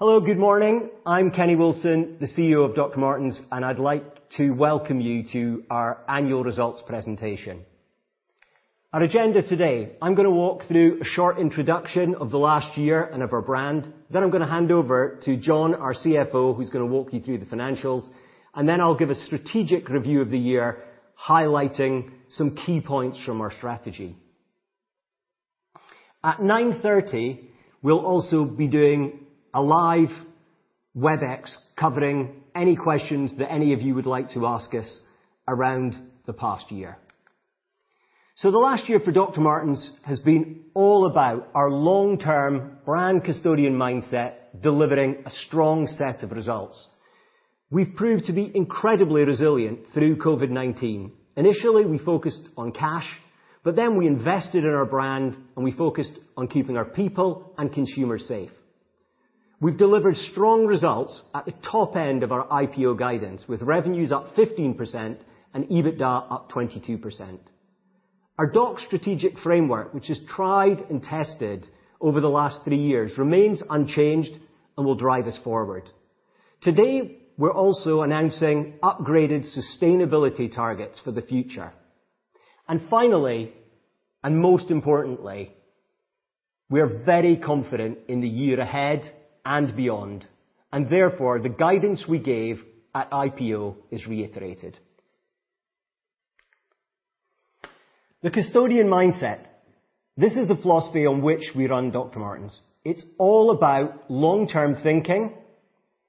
Hello. Good morning. I'm Kenny Wilson, the CEO of Dr. Martens. I'd like to welcome you to our annual results presentation. Our agenda today, I'm going to walk through a short introduction of the last year and of our brand. I'm going to hand over to Jon, our CFO, who's going to walk you through the financials. I'll give a strategic review of the year, highlighting some key points from our strategy. At 9:30, we'll also be doing a live Webex covering any questions that any of you would like to ask us around the past year. The last year for Dr. Martens has been all about our long-term brand custodian mindset delivering a strong set of results. We've proved to be incredibly resilient through COVID-19. Initially, we focused on cash, but then we invested in our brand, and we focused on keeping our people and consumers safe. We've delivered strong results at the top end of our IPO guidance, with revenues up 15% and EBITDA up 22%. Our DOCS strategic framework, which is tried and tested over the last three years, remains unchanged and will drive us forward. Today, we're also announcing upgraded sustainability targets for the future. Finally, and most importantly, we are very confident in the year ahead and beyond, and therefore the guidance we gave at IPO is reiterated. The custodian mindset. This is the philosophy on which we run Dr. Martens. It's all about long-term thinking.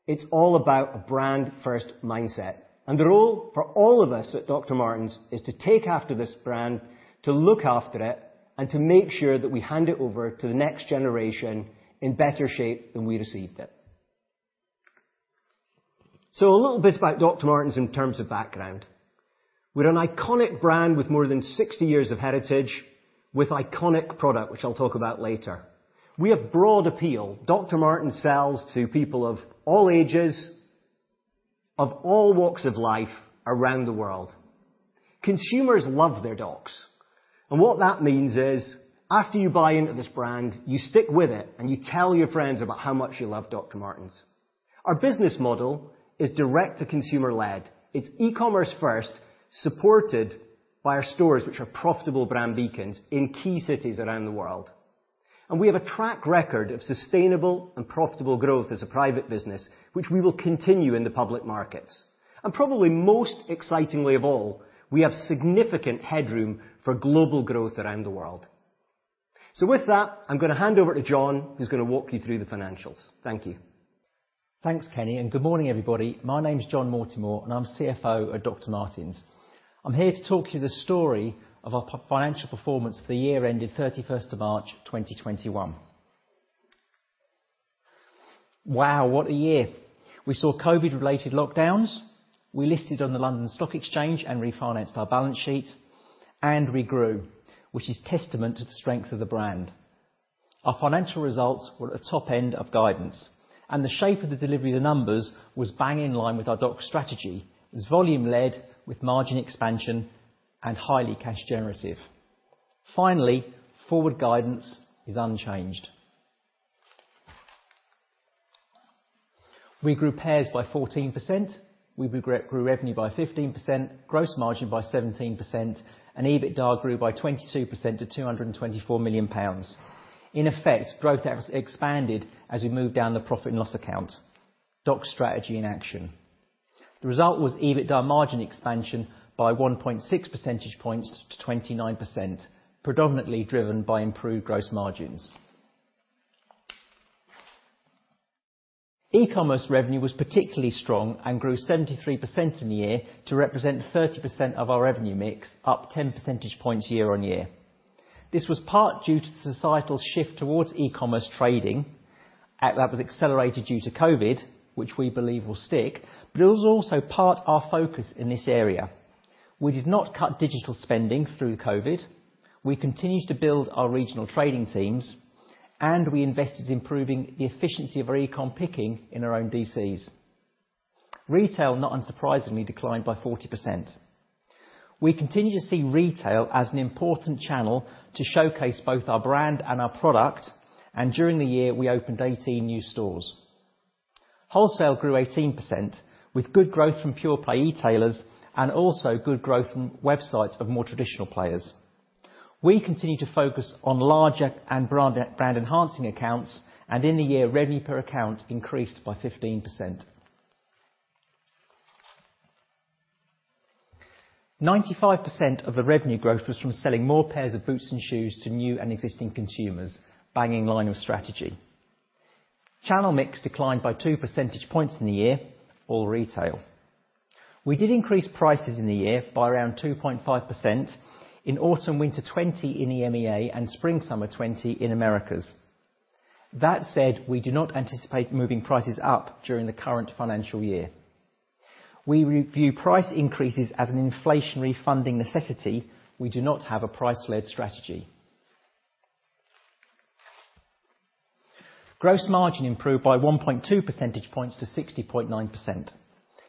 It's all about a brand-first mindset. The role for all of us at Dr. Martens is to take after this brand, to look after it, and to make sure that we hand it over to the next generation in better shape than we received it. A little bit about Dr. Martens in terms of background. We're an iconic brand with more than 60 years of heritage with iconic product, which I'll talk about later. We have broad appeal. Dr. Martens sells to people of all ages, of all walks of life around the world. Consumers love their Docs. What that means is, after you buy into this brand, you stick with it, and you tell your friends about how much you love Dr. Martens. Our business model is direct to consumer led. It's e-commerce first, supported by our stores, which are profitable brand beacons in key cities around the world. We have a track record of sustainable and profitable growth as a private business, which we will continue in the public markets. Probably most excitingly of all, we have significant headroom for global growth around the world. With that, I am going to hand over to Jon, who is going to walk you through the financials. Thank you. Thanks, Kenny, and good morning, everybody. My name's Jon Mortimore, and I'm CFO at Dr. Martens. I'm here to talk you the story of our financial performance for the year ending 31st of March 2021. Wow, what a year. We saw COVID related lockdowns. We listed on the London Stock Exchange and refinanced our balance sheet, and we grew, which is testament to the strength of the brand. Our financial results were at the top end of guidance, and the shape of the delivery of the numbers was bang in line with our DMs strategy. It's volume led with margin expansion and highly cash generative. Finally, forward guidance is unchanged. We grew pairs by 14%. We grew revenue by 15%, gross margin by 17%, and EBITDA grew by 22% to 224 million pounds. In effect, growth expanded as we moved down the profit and loss account. DMs strategy in action. The result was EBITDA margin expansion by 1.6 points to 29%, predominantly driven by improved gross margins. E-commerce revenue was particularly strong and grew 73% in the year to represent 30% of our revenue mix, up 10% points year-on-year. This was part due to the societal shift towards e-commerce trading. That was accelerated due to COVID, which we believe will stick, but it was also part our focus in this area. We did not cut digital spending through COVID. We continued to build our regional trading teams, and we invested in improving the efficiency of our e-com picking in our own DCs. Retail, not unsurprisingly, declined by 40%. We continue to see retail as an important channel to showcase both our brand and our product, and during the year, we opened 18 new stores. Wholesale grew 18%, with good growth from pure play e-tailers and also good growth from websites of more traditional players. We continue to focus on larger and brand enhancing accounts, and in the year, revenue per account increased by 15%. 95% of the revenue growth was from selling more pairs of boots and shoes to new and existing consumers. Bang in line with strategy. Channel mix declined by 2% points in the year. All retail. We did increase prices in the year by around 2.5% in autumn/winter 2020 in EMEA and spring/summer 2020 in Americas. That said, we do not anticipate moving prices up during the current financial year. We review price increases as an inflationary funding necessity. We do not have a price-led strategy. Gross margin improved by 1.2% points to 60.9%.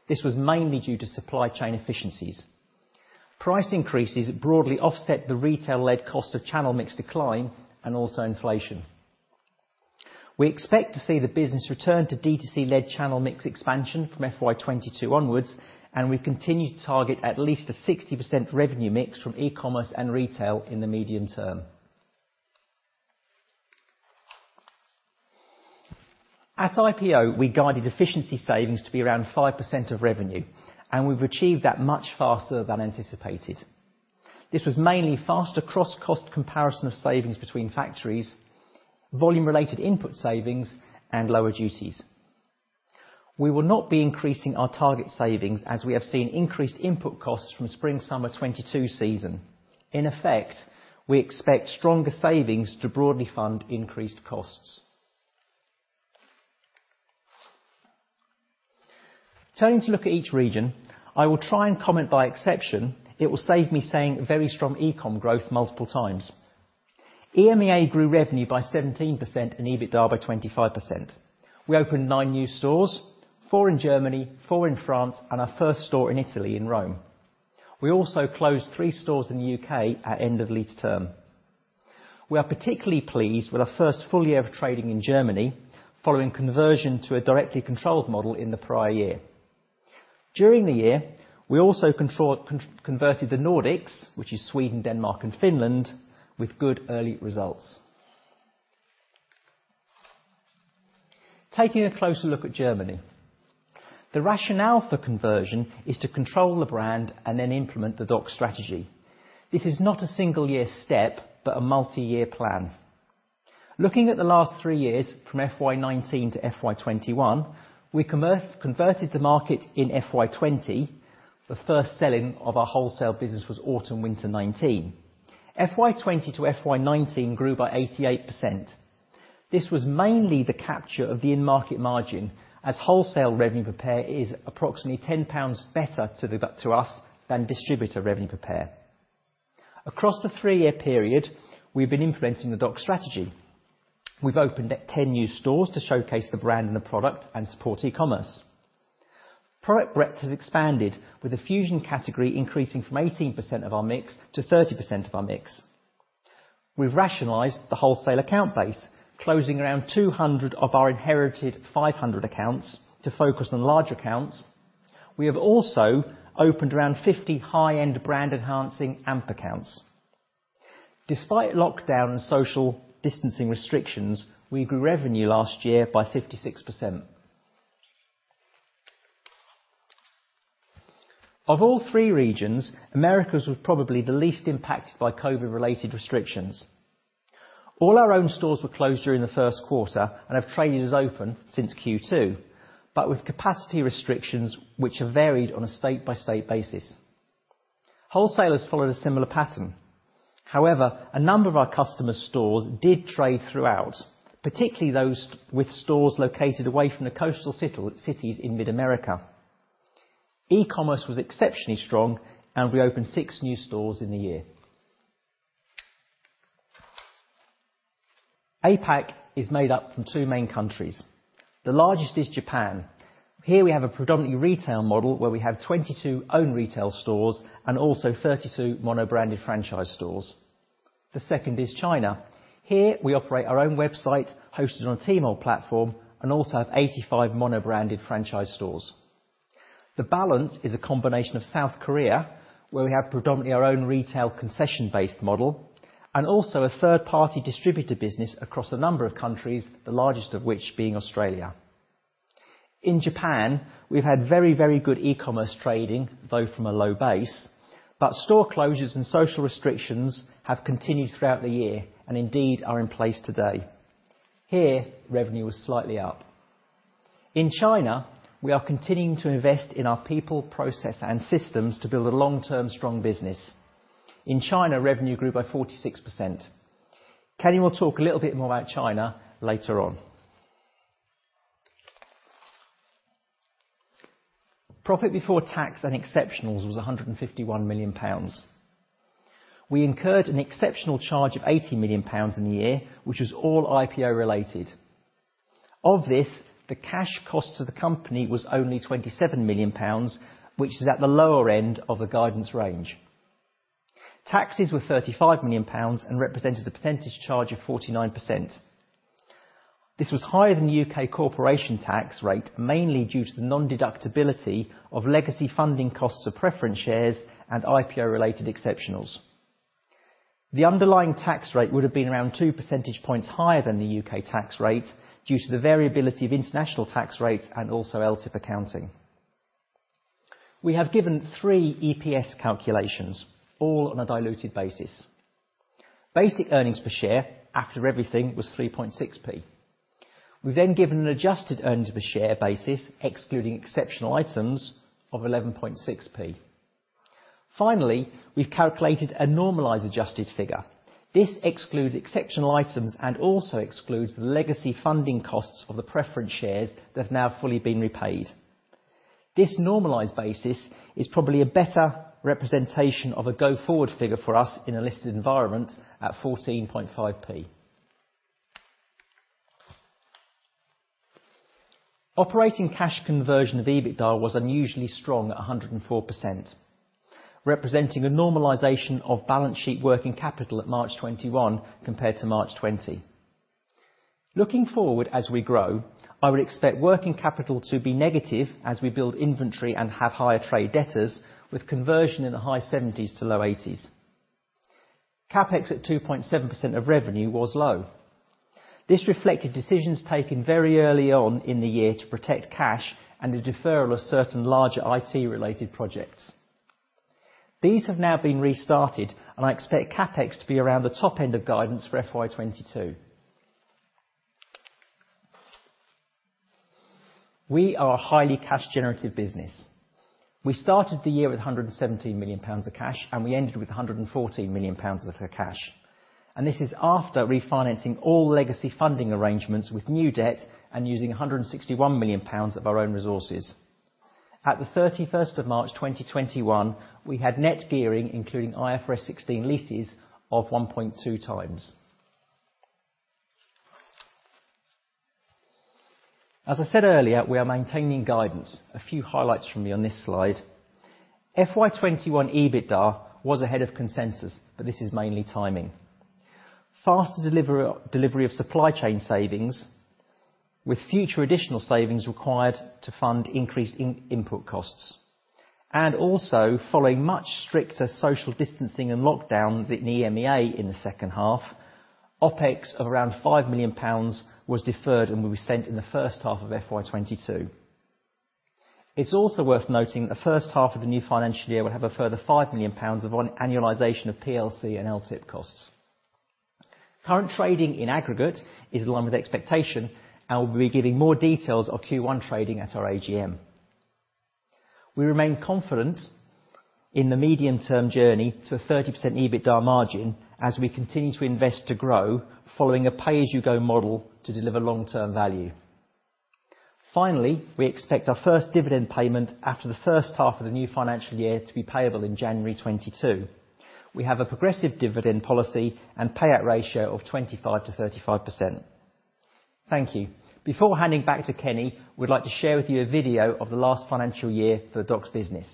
This was mainly due to supply chain efficiencies. Price increases broadly offset the retail-led cost of channel mix decline and also inflation. We expect to see the business return to D2C-led channel mix expansion from FY 2022 onwards. We continue to target at least a 60% revenue mix from e-commerce and retail in the medium term. At IPO, we guided efficiency savings to be around 5% of revenue. We've achieved that much faster than anticipated. This was mainly faster cross cost comparison of savings between factories, volume-related input savings, and lower duties. We will not be increasing our target savings as we have seen increased input costs from spring, summer 2022 season. In effect, we expect stronger savings to broadly fund the increased costs. Turning to look at each region, I will try and comment by exception. It will save me saying very strong e-com growth multiple times. EMEA grew revenue by 17% and EBITDA by 25%. We opened nine new stores, four in Germany, four in France, and our first store in Italy in Rome. We also closed three stores in the U.K. at end of lease term. We are particularly pleased with our first full-year of trading in Germany following conversion to a directly controlled model in the prior year. During the year, we also converted the Nordics, which is Sweden, Denmark, and Finland, with good early results. Taking a closer look at Germany. The rationale for conversion is to control the brand and then implement the DOCS strategy. This is not a single year step, but a multi-year plan. Looking at the last three years from FY 2019 to FY 2021, we converted the market in FY 2020. The first selling of our wholesale business was autumn winter 2019. FY 2020 to FY 2019 grew by 88%. This was mainly the capture of the in-market margin as wholesale revenue per pair is approximately 10 pounds better to us than distributor revenue per pair. Across the three-year period, we've been implementing the DTC strategy. We've opened 10 new stores to showcase the brand and the product and support e-commerce. Product breadth has expanded with the Fusion category increasing from 18% of our mix to 30% of our mix. We've rationalized the wholesale account base, closing around 200 of our inherited 500 accounts to focus on large accounts. We have also opened around 50 high-end brand enhancing Apex accounts. Despite lockdown and social distancing restrictions, we grew revenue last year by 56%. Of all three regions, Americas was probably the least impacted by COVID-19 related restrictions. All our own stores were closed during the first quarter and have traded as open since Q2, but with capacity restrictions which have varied on a state by state basis. Wholesalers followed a similar pattern. A number of our customer stores did trade throughout, particularly those with stores located away from the coastal cities in Mid-America. E-commerce was exceptionally strong. We opened six new stores in the year. APAC is made up from two main countries. The largest is Japan. Here we have a predominantly retail model where we have 22 own retail stores and also 32 mono-branded franchise stores. The second is China. Here we operate our own website hosted on Tmall platform and also have 85 mono-branded franchise stores. The balance is a combination of South Korea, where we have predominantly our own retail concession-based model, and also a third party distributor business across a number of countries, the largest of which being Australia. In Japan, we've had very good e-commerce trading, though from a low base, but store closures and social restrictions have continued throughout the year and indeed are in place today. Here, revenue was slightly up. In China, we are continuing to invest in our people, process, and systems to build a long-term strong business. In China, revenue grew by 46%. Kenny will talk a little bit more about China later on. Profit before tax and exceptionals was 151 million pounds. We incurred an exceptional charge of 80 million pounds in the year, which was all IPO related. Of this, the cash cost to the company was only 27 million pounds, which is at the lower end of the guidance range. Taxes were 35 million pounds and represented a percentage charge of 49%. This was higher than the U.K. corporation tax rate, mainly due to the non-deductibility of legacy funding costs of preference shares and IPO related exceptionals. The underlying tax rate would have been around 2% points higher than the U.K. tax rate due to the variability of international tax rates and also LTIP accounting. We have given 3 EPS calculations, all on a diluted basis. Basic earnings per share after everything was 0.036. We've then given an adjusted earnings per share basis, excluding exceptional items, of 0.116. Finally, we've calculated a normalized adjusted figure. This excludes exceptional items and also excludes the legacy funding costs for the preference shares that have now fully been repaid. This normalized basis is probably a better representation of a go forward figure for us in a listed environment at 0.145. Operating cash conversion of EBITDA was unusually strong at 104%, representing a normalization of balance sheet working capital in March 2021 compared to March 2020. Looking forward as we grow, I would expect working capital to be negative as we build inventory and have higher trade debtors with conversion in the high 70s-low 80s. CapEx at 2.7% of revenue was low. This reflected decisions taken very early on in the year to protect cash and the deferral of certain larger IT-related projects. These have now been restarted. I expect CapEx to be around the top end of guidance for FY 2022. We are a highly cash-generative business. We started the year with 117 million pounds of cash. We ended with 114 million pounds worth of cash. This is after refinancing all legacy funding arrangements with new debt and using 161 million pounds of our own resources. At the 31st of March 2021, we had net gearing, including IFRS 16 leases, of 1.2x. As I said earlier, we are maintaining guidance. A few highlights for me on this slide. FY 2021 EBITDA was ahead of consensus. This is mainly timing. Faster delivery of supply chain savings, with future additional savings required to fund increased input costs. Also, following much stricter social distancing and lockdowns in EMEA in the second half, OpEx of around 5 million pounds was deferred and will be sent in the first half of FY 2022. It's also worth noting that the first half of the new financial year will have a further 5 million pounds of annualization of PLC and LTIP costs. Current trading in aggregate is in line with expectation, and we'll be giving more details of Q1 trading at our AGM. We remain confident in the medium-term journey to a 30% EBITDA margin as we continue to invest to grow following a pay-as-you-go model to deliver long-term value. Finally, we expect our first dividend payment after the first half of the new financial year to be payable in January 2022. We have a progressive dividend policy and payout ratio of 25%-35%. Thank you. Before handing back to Kenny, we'd like to share with you a video of the last financial year for the DMs business.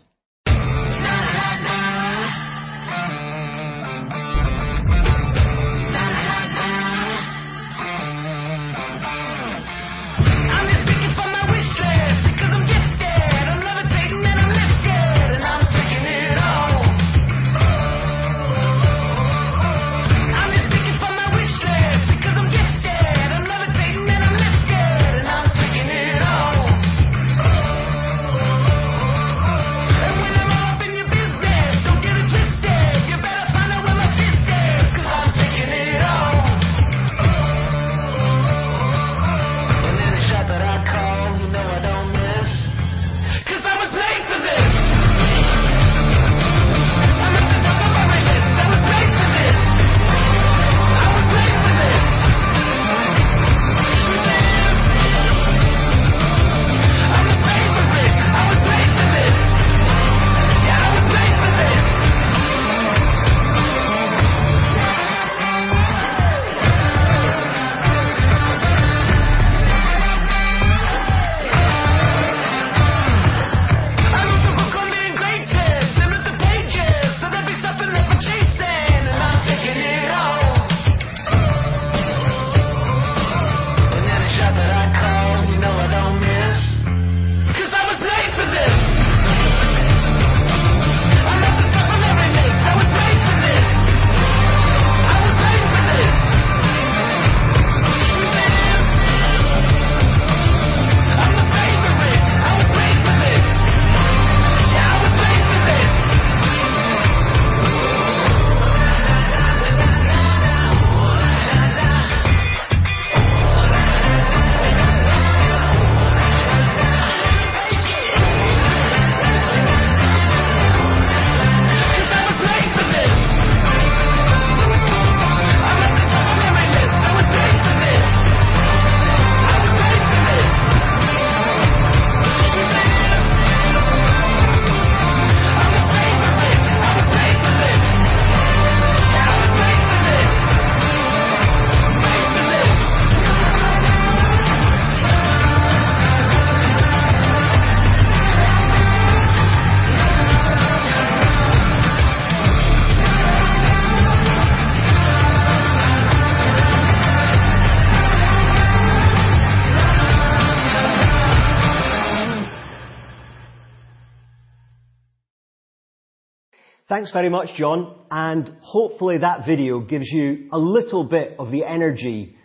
[inaudible] Thanks very much, Jon, and hopefully that video gives you a little bit of the energy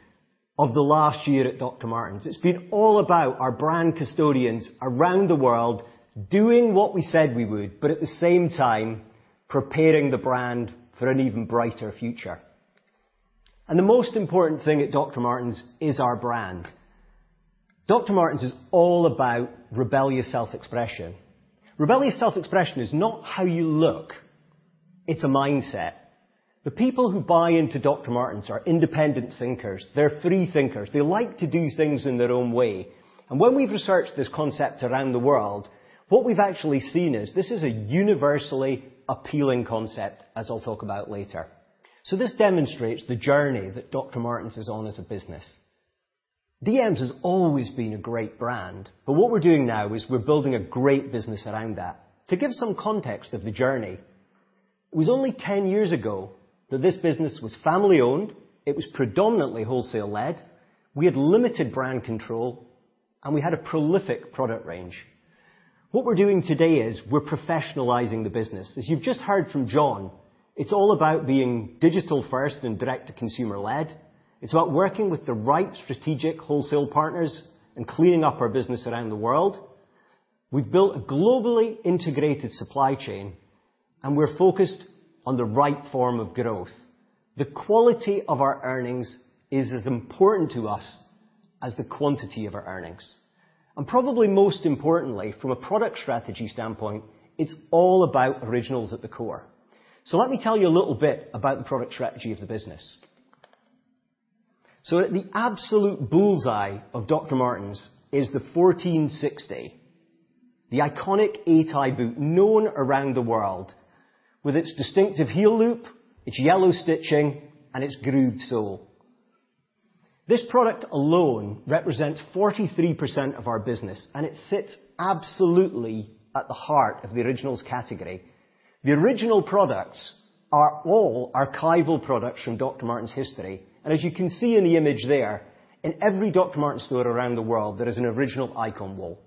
of the last year at Dr. Martens. It's been all about our brand custodians around the world doing what we said we would, but at the same time, preparing the brand for an even brighter future. The most important thing at Dr. Martens is our brand. Dr. Martens is all about rebellious self-expression. Rebellious self-expression is not how you look. It's a mindset. The people who buy into Dr. Martens are independent thinkers. They're free thinkers. They like to do things in their own way. When we researched this concept around the world, what we've actually seen is this is a universally appealing concept, as I'll talk about later. This demonstrates the journey that Dr. Martens is on as a business. DMs has always been a great brand, but what we're doing now is we're building a great business around that. To give some context of the journey, it was only 10 years ago that this business was family-owned, it was predominantly wholesale-led, we had limited brand control, and we had a prolific product range. What we're doing today is we're professionalizing the business. As you've just heard from Jon, it's all about being digital first and direct-to-consumer led. It's about working with the right strategic wholesale partners and cleaning up our business around the world. We've built a globally integrated supply chain, and we're focused on the right form of growth. The quality of our earnings is as important to us as the quantity of our earnings. Probably most importantly, from a product strategy standpoint, it's all about Originals at the core. Let me tell you a little bit about the product strategy of the business. At the absolute bullseye of Dr. Martens is the 1460, the iconic 8-eye boot known around the world with its distinctive heel loop, its yellow stitching, and its grooved sole. This product alone represents 43% of our business, and it sits absolutely at the heart of the Originals category. The Original products are all archival products from Dr. Martens' history. As you can see in the image there, in every Dr. Martens store around the world, there is an Original icon wall.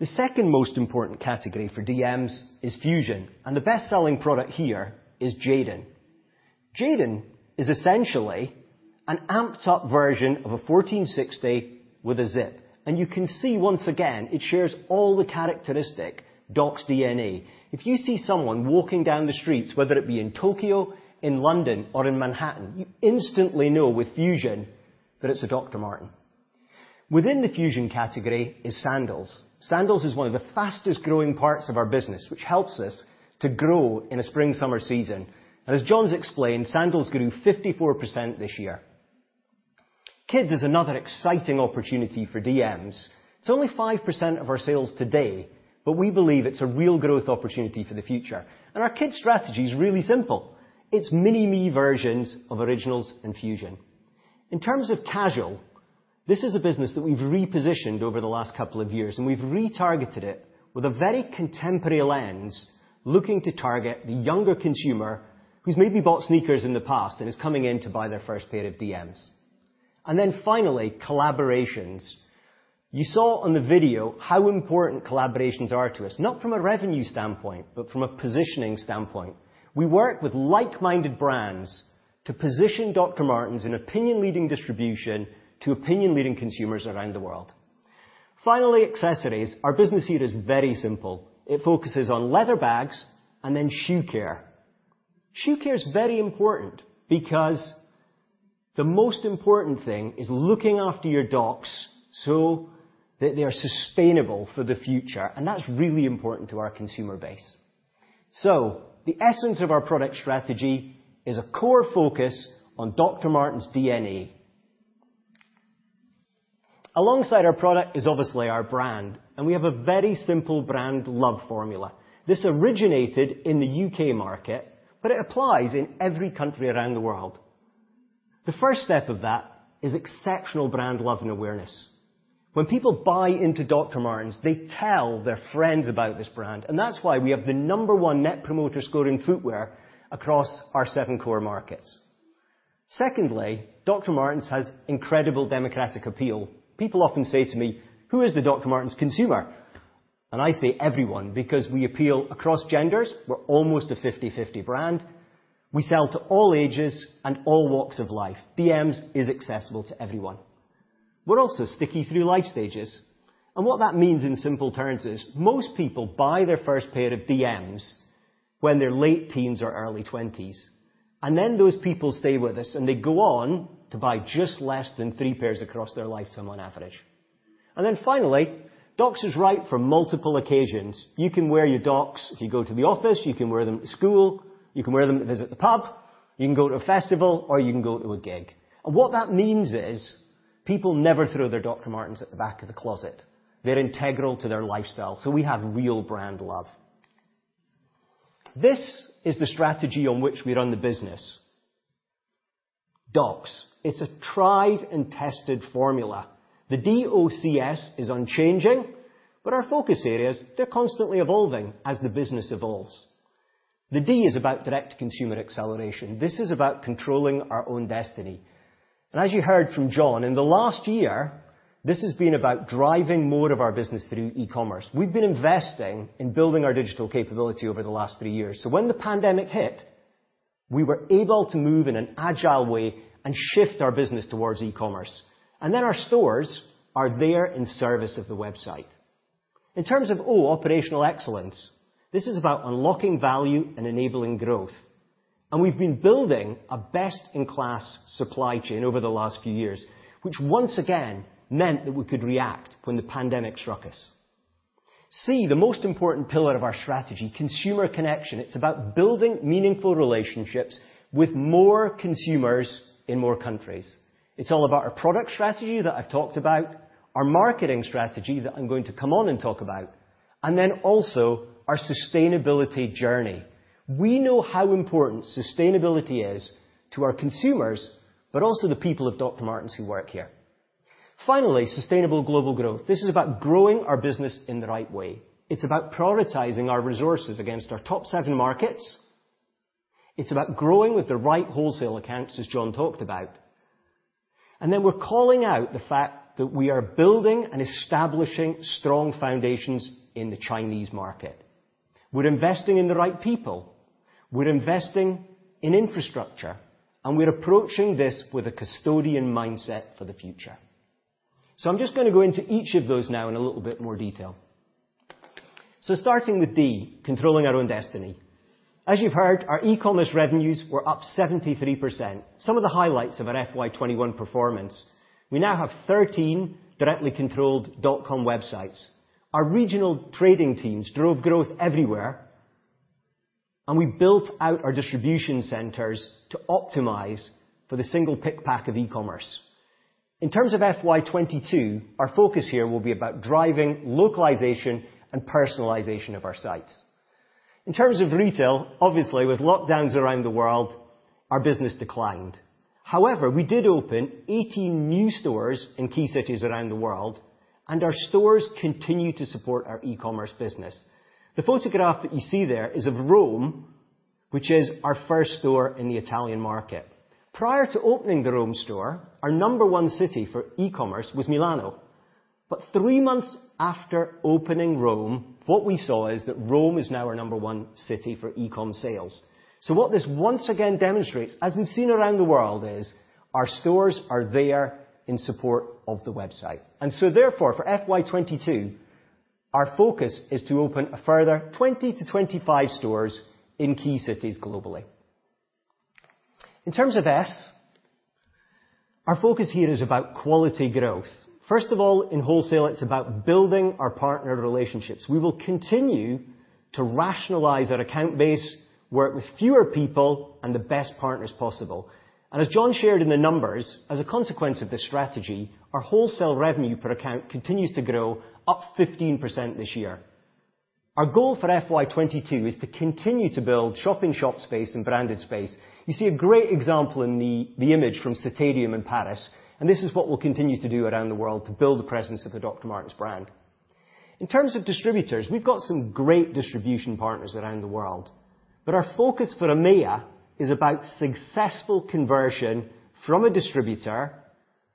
The second most important category for DMs is Fusion, and the best-selling product here is Jadon. Jadon is essentially an amped-up version of a 1460 with a zip. You can see once again, it shares all the characteristic Doc's DNA. If you see someone walking down the streets, whether it be in Tokyo, in London, or in Manhattan, you instantly know with Fusion that it's a Dr. Martens. Within the Fusion category is sandals. Sandals is one of the fastest-growing parts of our business, which helps us to grow in a spring-summer season. As Jon's explained, sandals grew 54% this year. Kids is another exciting opportunity for DMs. It's only 5% of our sales today, but we believe it's a real growth opportunity for the future. Our kids strategy is really simple. It's mini-me versions of Originals and Fusion. In terms of casual, this is a business that we've repositioned over the last two years, and we've retargeted it with a very contemporary lens, looking to target the younger consumer who's maybe bought sneakers in the past and is coming in to buy their first pair of DMs. You saw on the video how important collaborations are to us, not from a revenue standpoint, but from a positioning standpoint. We work with like-minded brands to position Dr. Martens in opinion-leading distribution to opinion-leading consumers around the world. Finally, accessories. Our business here is very simple. It focuses on leather bags and then shoe care. Shoe care is very important because the most important thing is looking after your Docs so that they are sustainable for the future, and that's really important to our consumer base. The essence of our product strategy is a core focus on Dr. Martens' DNA. Alongside our product is obviously our brand, and we have a very simple brand love formula. This originated in the U.K. market, but it applies in every country around the world. The first step of that is exceptional brand love and awareness. When people buy into Dr. Martens, they tell their friends about this brand, and that's why we have the number one net promoter score in footwear across our seven core markets. Secondly, Dr. Martens has incredible democratic appeal. People often say to me, "Who is the Dr. Martens consumer?" I say everyone, because we appeal across genders. We're almost a 50/50 brand. We sell to all ages and all walks of life. DMs is accessible to everyone. We're also sticky through life stages. What that means in simple terms is most people buy their first pair of DMs when they're late teens or early 20s. Those people stay with us, and they go on to buy just less than 3 pairs across their lifetime on average. Finally, Docs is right for multiple occasions. You can wear your Docs if you go to the office, you can wear them at school, you can wear them to visit the pub, you can go to a festival, or you can go to a gig. What that means is people never throw their Dr. Martens at the back of the closet. They're integral to their lifestyle, so we have real brand love. This is the strategy on which we run the business. Docs. It's a tried and tested formula. The D-O-C-S is unchanging, but our focus areas, they're constantly evolving as the business evolves. The D is about direct-to-consumer acceleration. This is about controlling our own destiny. As you heard from Jon, in the last year, this has been about driving more of our business through e-commerce. We've been investing in building our digital capability over the last three years. When the pandemic hit, we were able to move in an agile way and shift our business towards e-commerce. Our stores are there in service of the website. In terms of O, operational excellence, this is about unlocking value and enabling growth. We've been building a best-in-class supply chain over the last few years, which once again meant that we could react when the pandemic struck us. C, the most important pillar of our strategy, consumer connection. It's about building meaningful relationships with more consumers in more countries. It's all about our product strategy that I talked about, our marketing strategy that I'm going to come on and talk about. Also our sustainability journey. We know how important sustainability is to our consumers, but also the people of Dr. Martens who work here. Finally, sustainable global growth. This is about growing our business in the right way. It's about prioritizing our resources against our top seven markets. It's about growing with the right wholesale accounts, as Jon talked about. We're calling out the fact that we are building and establishing strong foundations in the Chinese market. We're investing in the right people, we're investing in infrastructure, and we're approaching this with a custodian mindset for the future. I'm just going to go into each of those now in a little bit more detail. Starting with D, controlling our own destiny. As you've heard, our e-commerce revenues were up 73%. Some of the highlights of our FY 2021 performance, we now have 13 directly controlled .com websites. Our regional trading teams drove growth everywhere, and we built out our distribution centers to optimize for the single pick pack of e-commerce. In terms of FY 2022, our focus here will be about driving localization and personalization of our sites. In terms of retail, obviously, with lockdowns around the world, our business declined. We did open 18 new stores in key cities around the world, and our stores continue to support our e-commerce business. The photograph that you see there is of Rome, which is our first store in the Italian market. Prior to opening the Rome store, our number one city for e-commerce was Milano. Three months after opening Rome, what we saw is that Rome is now our number one city for e-com sales. What this once again demonstrates, as we've seen around the world, is our stores are there in support of the website. Therefore, for FY 2022, our focus is to open a further 20-25 stores in key cities globally. In terms of S, our focus here is about quality growth. First of all, in wholesale, it's about building our partner relationships. We will continue to rationalize our account base, work with fewer people, and the best partners possible. As Jon shared in the numbers, as a consequence of this strategy, our wholesale revenue per account continues to grow, up 15% this year. Our goal for FY 2022 is to continue to build shop-in-shop space and branded space. You see a great example in the image from Citadium in Paris, and this is what we'll continue to do around the world to build a presence of the Dr. Martens brand. In terms of distributors, we've got some great distribution partners around the world, but our focus for EMEA is about successful conversion from a distributor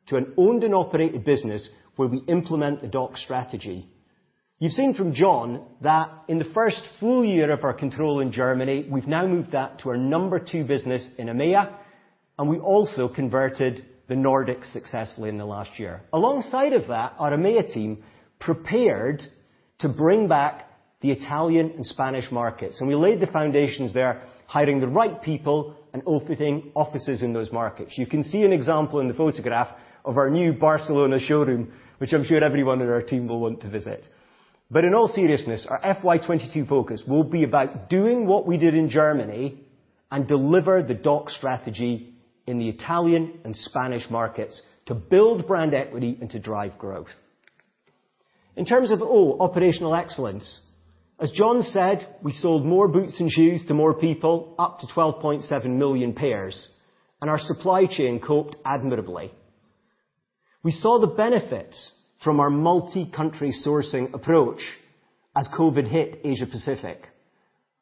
to an owned and operated business where we implement the DTC strategy. You've seen from Jon that in the first full-year of our control in Germany, we've now moved that to our number two business in EMEA, and we also converted the Nordics successfully in the last year. Alongside of that, our EMEA team prepared to bring back the Italian and Spanish markets, and we laid the foundations there, hiring the right people and opening offices in those markets. You can see an example in the photograph of our new Barcelona showroom, which I'm sure everyone on our team will want to visit. In all seriousness, our FY 2022 focus will be about doing what we did in Germany and deliver the DOCS strategy in the Italian and Spanish markets to build brand equity and to drive growth. In terms of O, operational excellence, as Jon said, we sold more boots and shoes to more people, up to 12.7 million pairs, and our supply chain coped admirably. We saw the benefits from our multi-country sourcing approach as COVID hit Asia-Pacific.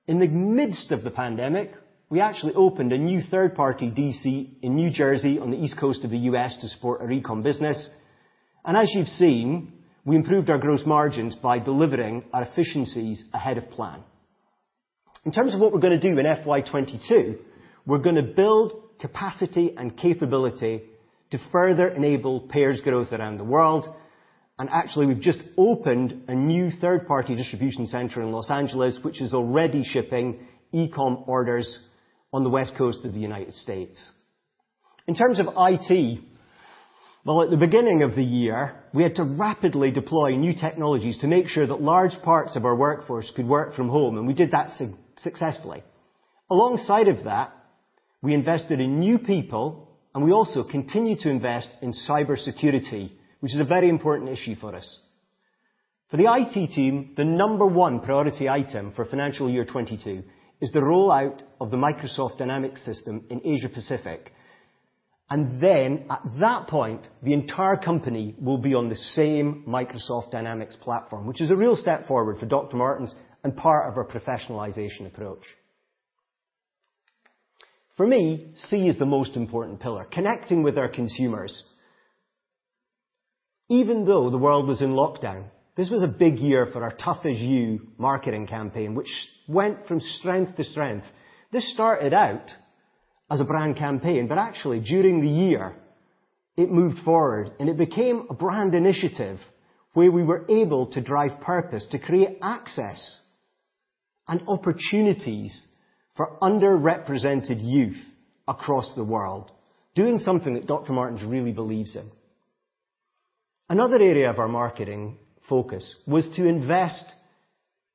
In the midst of the pandemic, we actually opened a new third-party DC in New Jersey on the East Coast of the U.S. to support our e-com business. As you've seen, we improved our gross margins by delivering our efficiencies ahead of plan. In terms of what we're going to do in FY 2022, we're going to build capacity and capability to further enable pairs growth around the world. Actually, we've just opened a new third-party distribution center in Los Angeles, which is already shipping e-com orders on the West Coast of the U.S. In terms of IT, well, at the beginning of the year, we had to rapidly deploy new technologies to make sure that large parts of our workforce could work from home. We did that successfully. Alongside of that, we invested in new people. We also continue to invest in cybersecurity, which is a very important issue for us. For the IT team, the number one priority item for financial year 22 is the rollout of the Microsoft Dynamics system in Asia-Pacific. At that point, the entire company will be on the same Microsoft Dynamics platform, which is a real step forward for Dr. Martens and part of our professionalization approach. For me, C is the most important pillar, connecting with our consumers. Even though the world was in lockdown, this was a big year for our #ToughAsYou marketing campaign, which went from strength to strength. This started out as a brand campaign, but actually, during the year, it moved forward and it became a brand initiative where we were able to drive purpose to create access and opportunities for underrepresented youth across the world, doing something that Dr. Martens really believes in. Another area of our marketing focus was to invest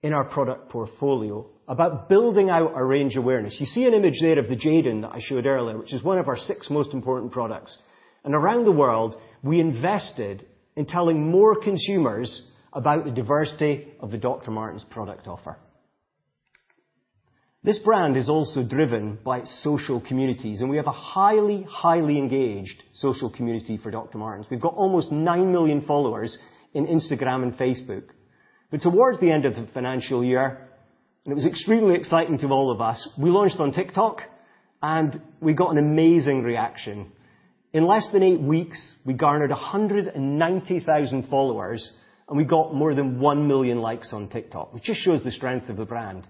in our product portfolio about building out our range awareness. You see an image there of a Jadon that I showed earlier, which is one of our 6 most important products. Around the world, we invested in telling more consumers about the diversity of the Dr. Martens product offer. This brand is also driven by social communities, and we have a highly engaged social community for Dr. Martens. We've got almost 9 million followers on Instagram and Facebook. Towards the end of the financial year, it was extremely exciting for all of us, we launched on TikTok, and we got an amazing reaction. In less than eight weeks, we garnered 190,000 followers, and we got more than 1 million likes on TikTok, which just shows the strength of the brand.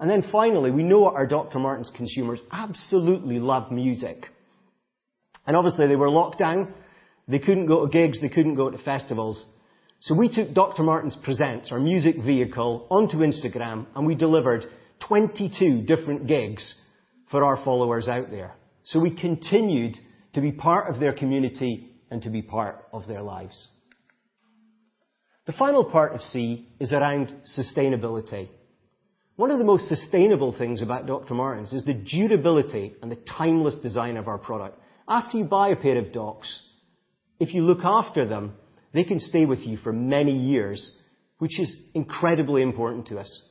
Then finally, we know our Dr. Martens consumers absolutely love music. Obviously, they were in lockdown. They couldn't go to gigs, they couldn't go to festivals. We took Dr. Martens Presents, our music vehicle, onto Instagram, and we delivered 22 different gigs for our followers out there. We continued to be part of their community and to be part of their lives. The final part of C is around sustainability. One of the most sustainable things about Dr. Martens is the durability and the timeless design of our product. After you buy a pair of DOCS, if you look after them, they can stay with you for many years, which is incredibly important to us.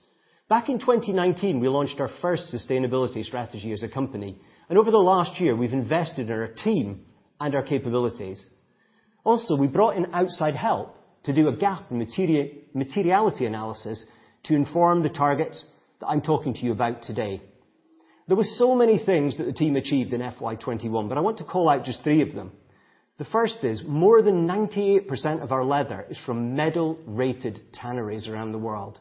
Back in 2019, we launched our first sustainability strategy as a company, and over the last year, we've invested in our team and our capabilities. We brought in outside help to do a gap and materiality analysis to inform the targets that I'm talking to you about today. There were so many things that the team achieved in FY 2021, but I want to call out just three of them. The first is more than 98% of our leather is from medal-rated tanneries around the world.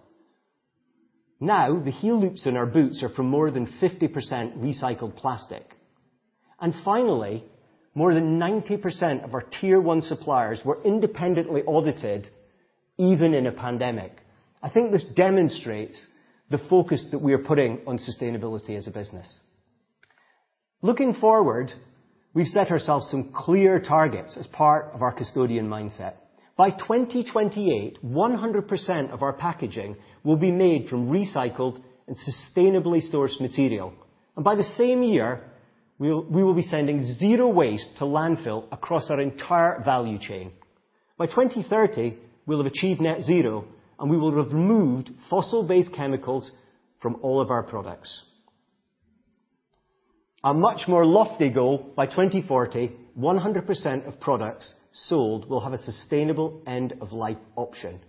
Now, the heel loops in our boots are from more than 50% recycled plastic. Finally, more than 90% of our Tier 1 suppliers were independently audited, even in a pandemic. I think this demonstrates the focus that we are putting on sustainability as a business. Looking forward, we've set ourselves some clear targets as part of our custodian mindset. By 2028, 100% of our packaging will be made from recycled and sustainably sourced material. By the same year, we will be sending zero waste to landfill across our entire value chain. By 2030, we'll have achieved net zero, and we will have removed fossil-based chemicals from all of our products. A much more lofty goal, by 2040, 100% of products sold will have a sustainable end-of-life option,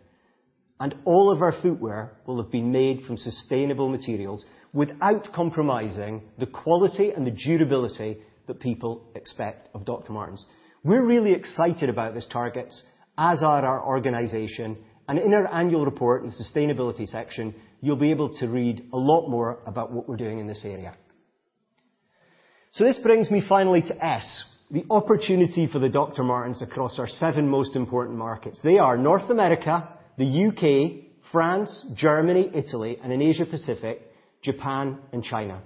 and all of our footwear will have been made from sustainable materials without compromising the quality and the durability that people expect of Dr. Martens. We're really excited about these targets, as are our organization, in our annual report in the sustainability section, you'll be able to read a lot more about what we're doing in this area. This brings me finally to S, the opportunity for the Dr. Martens across our 7 most important markets. They are North America, the U.K., France, Germany, Italy, and in Asia Pacific, Japan and China.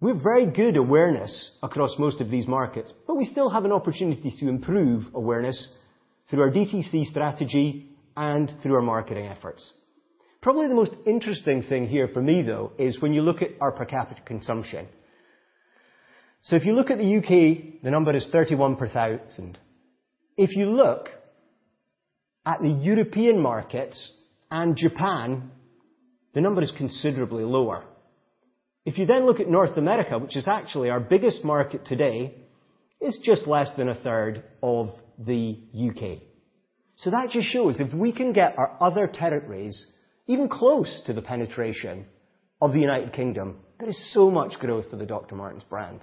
We have very good awareness across most of these markets, we still have an opportunity to improve awareness through our DTC strategy and through our marketing efforts. Probably the most interesting thing here for me, though, is when you look at our per capita consumption. If you look at the U.K., the number is 31,000. If you look at the European markets and Japan, the number is considerably lower. If you look at North America, which is actually our biggest market today, it's just less than 1/3 of the U.K. That just shows if we can get our other territories even close to the penetration of the United Kingdom, there's so much growth for the Dr. Martens brand.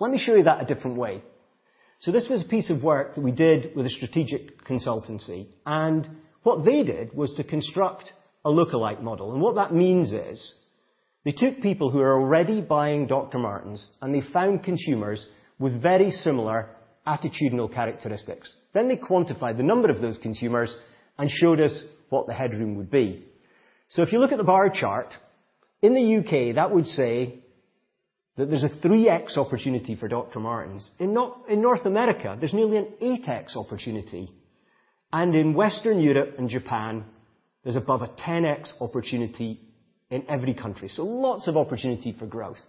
Let me show you that a different way. This was a piece of work that we did with a strategic consultancy, and what they did was to construct a lookalike model. What that means is they took people who are already buying Dr. Martens, and they found consumers with very similar attitudinal characteristics. They quantified the number of those consumers and showed us what the headroom would be. If you look at the bar chart, in the U.K., that would say that there's a 3x opportunity for Dr. Martens. In North America, there's nearly an 8x opportunity. In Western Europe and Japan, there's above a 10x opportunity in every country. Lots of opportunity for growth.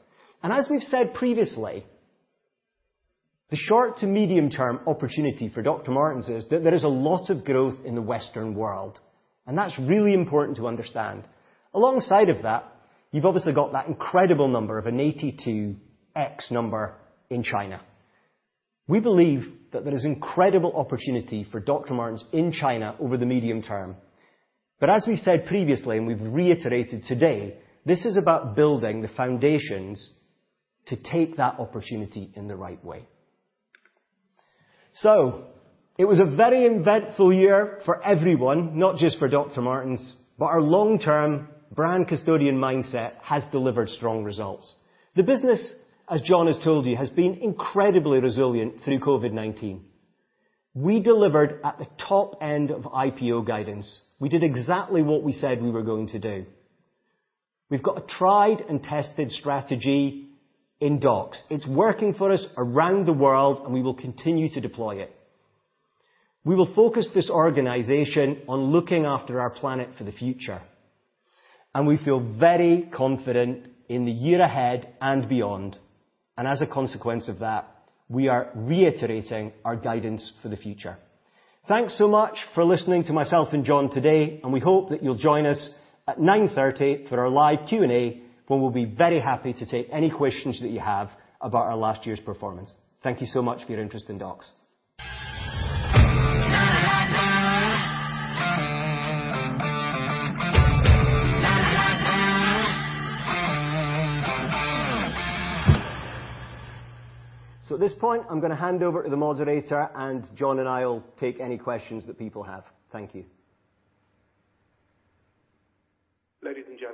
As we've said previously, the short to medium-term opportunity for Dr. Martens is that there is a lot of growth in the Western world, and that's really important to understand. Alongside of that, you've obviously got that incredible number of an 82x number in China. We believe that there is incredible opportunity for Dr. Martens in China over the medium term. As we said previously, and we've reiterated today, this is about building the foundations to take that opportunity in the right way. It was a very eventful year for everyone, not just for Dr. Martens. Our long-term brand custodian mindset has delivered strong results. The business, as Jon has told you, has been incredibly resilient through COVID-19. We delivered at the top end of IPO guidance. We did exactly what we said we were going to do. We've got a tried and tested strategy in DOCS. It's working for us around the world, and we will continue to deploy it. We will focus this organization on looking after our planet for the future, and we feel very confident in the year ahead and beyond. As a consequence of that, we are reiterating our guidance for the future. Thanks so much for listening to myself and Jon today, and we hope that you'll join us at 9:30 for our live Q&A, where we'll be very happy to take any questions that you have about our last year's performance. Thank you so much for your interest in DMs. At this point, I'm going to hand over to the moderator, and Jon and I will take any questions that people have. Thank you.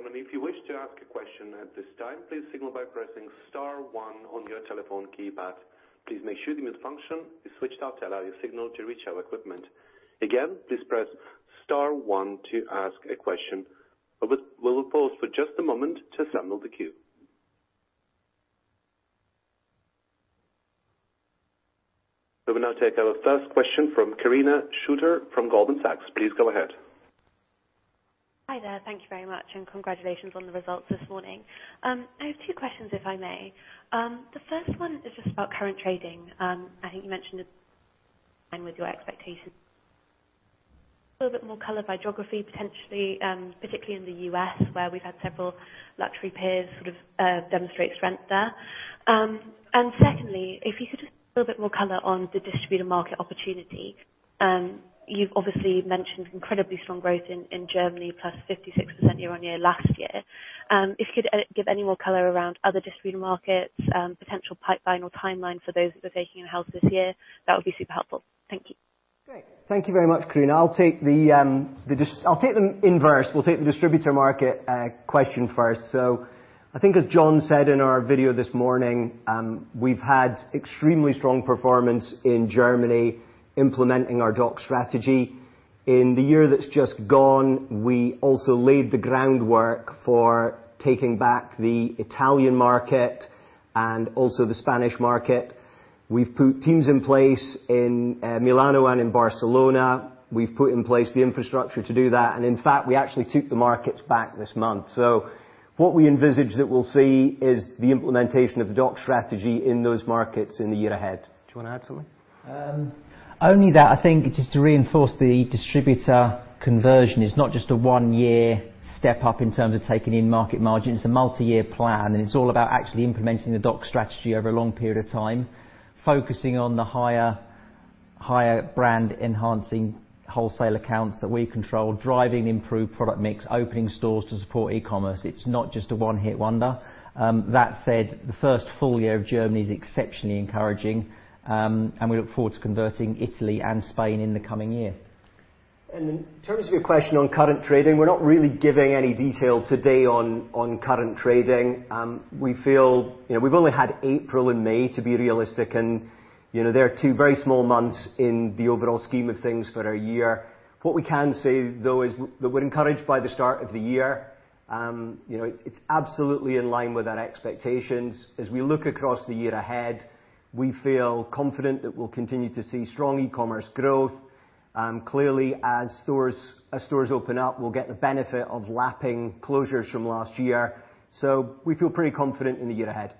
Ladies and gentlemen, if you wish to ask a question at this time, please signal by pressing star one on your telephone keypad. Please make sure the mute function is switched off to allow your signal to reach our equipment. Again, please press star one to ask a question. We will pause for just a moment to assemble the queue. We will now take our first question from Carina Schuster from Goldman Sachs. Please go ahead. Hi there. Thank you very much, and congratulations on the results this morning. I have two questions, if I may. The first one is just about current trading. I know you mentioned with your expectations. A little bit more color by geography, potentially, particularly in the U.S., where we've had several luxury peers sort of demonstrate strength there. Secondly, if you could give a little bit more color on the distributor market opportunity. You've obviously mentioned incredibly strong growth in Germany, plus 56% year-on-year last year. If you could give any more color around other distributor markets, potential pipeline or timeline for those that are taking your help this year, that would be super helpful. Thank you. Great. Thank you very much, Carina. I'll take them in verse. We'll take the distributor market question first. I think as Jon said in our video this morning, we've had extremely strong performance in Germany implementing our DOCS strategy. In the year that's just gone, we also laid the groundwork for taking back the Italian market and also the Spanish market. We've put teams in place in Milano and in Barcelona. We've put in place the infrastructure to do that. In fact, we actually took the markets back this month. What we envisage that we'll see is the implementation of the DOCS strategy in those markets in the year ahead. Do you want to add to something? Only that I think just to reinforce the distributor conversion. It's not just a one-year step up in terms of taking in market margin. It's a multi-year plan, and it's all about actually implementing the DTC strategy over a long period of time, focusing on the higher brand enhancing wholesale accounts that we control, driving improved product mix, opening stores to support e-commerce. It's not just a one-hit wonder. That said, the first full-year of Germany is exceptionally encouraging, and we look forward to converting Italy and Spain in the coming year. In terms of your question on current trading, we're not really giving any detail today on current trading. We feel we've only had April and May to be realistic, and they are two very small months in the overall scheme of things for our year. What we can say, though, is that we're encouraged by the start of the year. It's absolutely in line with our expectations. As we look across the year ahead, we feel confident that we'll continue to see strong e-commerce growth. Clearly, as stores open up, we'll get the benefit of lapping closures from last year. We feel pretty confident in the year ahead.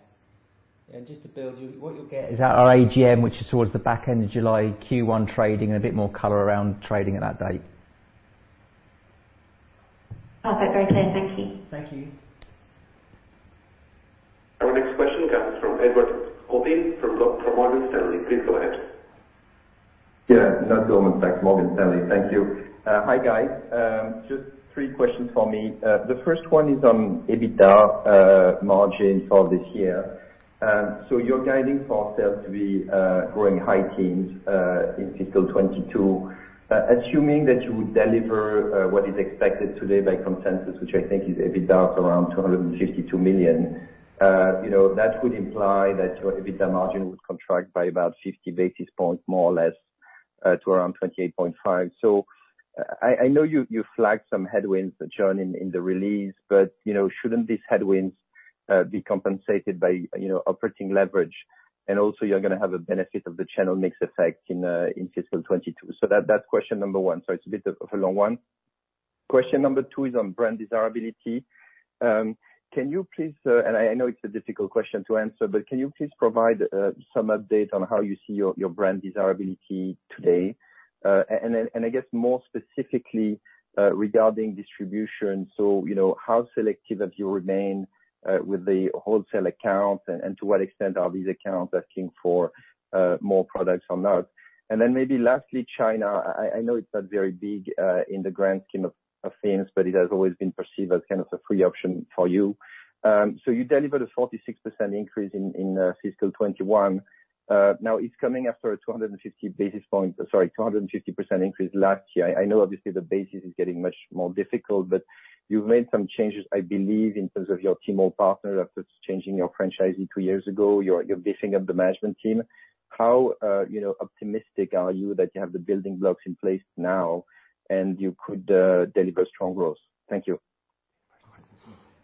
Just to build, what you're getting is our AGM, which is towards the back end of July Q1 trading, a bit more color around trading at that date. Okay, perfect. Thank you. Thank you. Our next question comes from Edouard Aubin from Morgan Stanley. Please go ahead. Yeah, not Goldman Sachs, Morgan Stanley. Thank you. Hi, guys. Just three questions for me. The first one is on EBITDA margin for this year. You're guiding for sales to be growing high teens in FY 2022. Assuming that you would deliver what is expected today by consensus, which I think is EBITDA of around 252 million, that would imply that your EBITDA margin would contract by about 50 basis points, more or less, to around 28.5%. I know you flagged some headwinds, Jon, in the release, but shouldn't these headwinds be compensated by operating leverage? Also, you're going to have a benefit of the channel mix effect in FY 2022. That's question number one. It's a bit of a long one. Question number two is on brand desirability. I know it's a difficult question to answer, can you please provide some update on how you see your brand desirability today? I guess more specifically regarding distribution, how selective have you remained with the wholesale accounts, and to what extent are these accounts asking for more products or not? Maybe lastly, China. I know it's not very big in the grand scheme of things, but it has always been perceived as kind of a free option for you. You delivered a 46% increase in fiscal 2021. Now, it's coming after a 250% increase last year. I know obviously the basis is getting much more difficult, but you've made some changes, I believe, in terms of your Tmall partner after changing your franchisee two years ago, your dismissing of the management team. How optimistic are you that you have the building blocks in place now and you could deliver strong growth? Thank you.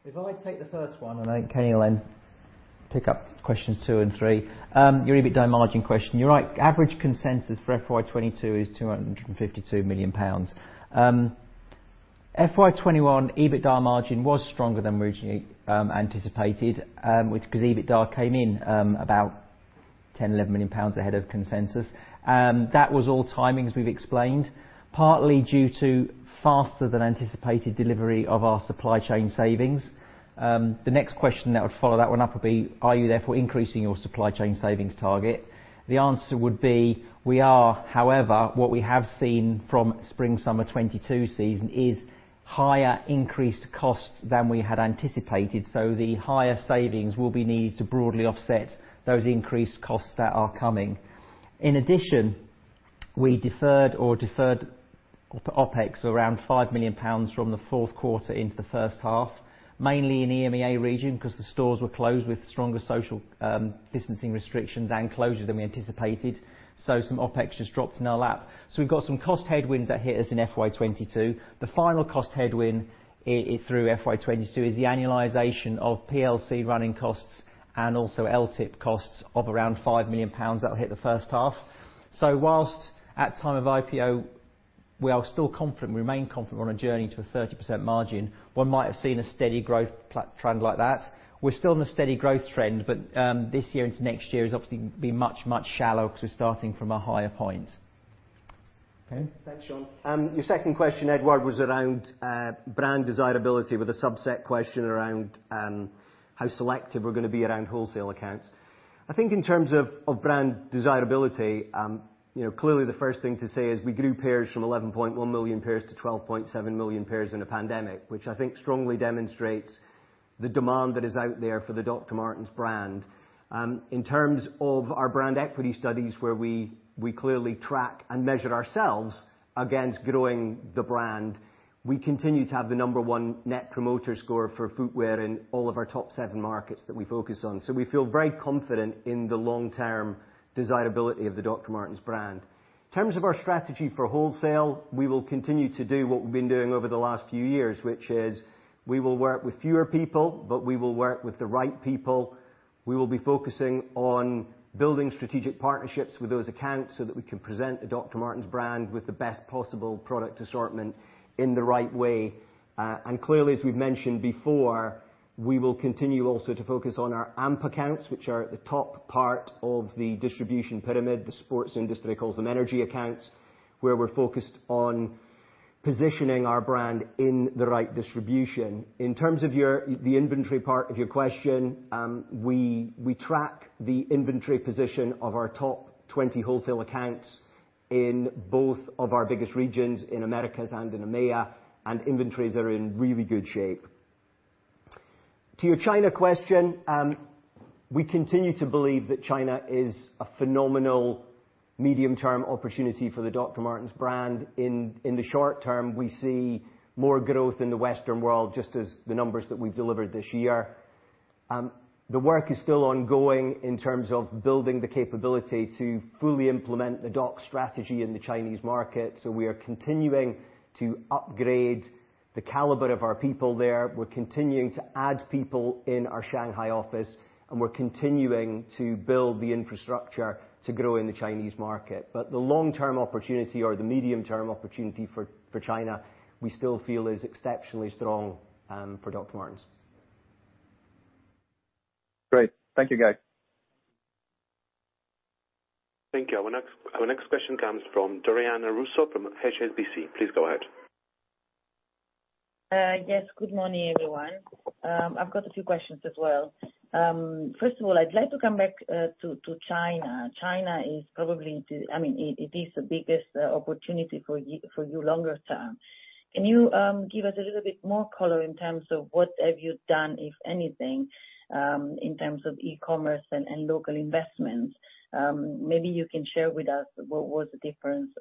If I take the first one and then, Kenny, pick up questions two and three. Your EBITDA margin question, you're right. Average consensus for FY 2022 is 252 million pounds. FY 2021 EBITDA margin was stronger than originally anticipated, which is because EBITDA came in about 10 million-11 million pounds ahead of consensus. That was all timing, as we've explained, partly due to faster than anticipated delivery of our supply chain savings. The next question that would follow that one up would be, are you therefore increasing your supply chain savings target? The answer would be, we are. However, what we have seen from spring/summer 2022 season is higher increased costs than we had anticipated, the higher savings will be needed to broadly offset those increased costs that are coming. In addition, we deferred or deferred OpEx around 5 million pounds from the fourth quarter into the first half, mainly in EMEA region because the stores were closed with stronger social distancing restrictions and closures than we anticipated. Some OpEx just dropped in our lap. We've got some cost headwinds that hit us in FY 2022. The final cost headwind through FY 2022 is the annualization of PLC running costs and also LTIP costs of around 5 million pounds that will hit the first half. Whilst at time of IPO, we are still confident, we remain confident we're on a journey to a 30% margin. One might have seen a steady growth trend like that. We're still on a steady growth trend, but this year into next year is obviously going to be much, much shallower because we're starting from a higher point. Kenny? Thanks, Jon Mortimore. Your second question, Edouard Aubin, was around brand desirability with a subset question around how selective we're going to be around wholesale accounts. I think in terms of brand desirability, clearly the first thing to say is we grew pairs from 11.1 million pairs to 12.7 million pairs in a pandemic, which I think strongly demonstrates the demand that is out there for the Dr. Martens brand. In terms of our brand equity studies, where we clearly track and measure ourselves against growing the brand, we continue to have the number one net promoter score for footwear in all of our top seven markets that we focus on. We feel very confident in the long-term desirability of the Dr. Martens brand. In terms of our strategy for wholesale, we will continue to do what we've been doing over the last few years, which is we will work with fewer people, but we will work with the right people. We will be focusing on building strategic partnerships with those accounts so that we can present the Dr. Martens brand with the best possible product assortment in the right way. Clearly, as we've mentioned before, we will continue also to focus on our Apex accounts, which are at the top part of the distribution pyramid, the sports industry calls them energy accounts, where we're focused on positioning our brand in the right distribution. In terms of the inventory part of your question, we track the inventory position of our top 20 wholesale accounts in both of our biggest regions, in Americas and in EMEA, and inventories are in really good shape. To your China question, we continue to believe that China is a phenomenal medium-term opportunity for the Dr. Martens brand. In the short term, we see more growth in the Western world, just as the numbers that we delivered this year. The work is still ongoing in terms of building the capability to fully implement the DOCS strategy in the Chinese market. We are continuing to upgrade the caliber of our people there. We're continuing to add people in our Shanghai office, and we're continuing to build the infrastructure to grow in the Chinese market. The long-term opportunity or the medium-term opportunity for China, we still feel is exceptionally strong for Dr. Martens. Great. Thank you, guys. Thank you. Our next question comes from Doriana Russo from HSBC. Please go ahead. Yes, good morning, everyone. I've got a few questions as well. First of all, I'd like to come back to China. China is probably, it is the biggest opportunity for you longer term. Can you give us a little bit more color in terms of what have you done, if anything, in terms of e-commerce and local investments? Maybe you can share with us what was the performance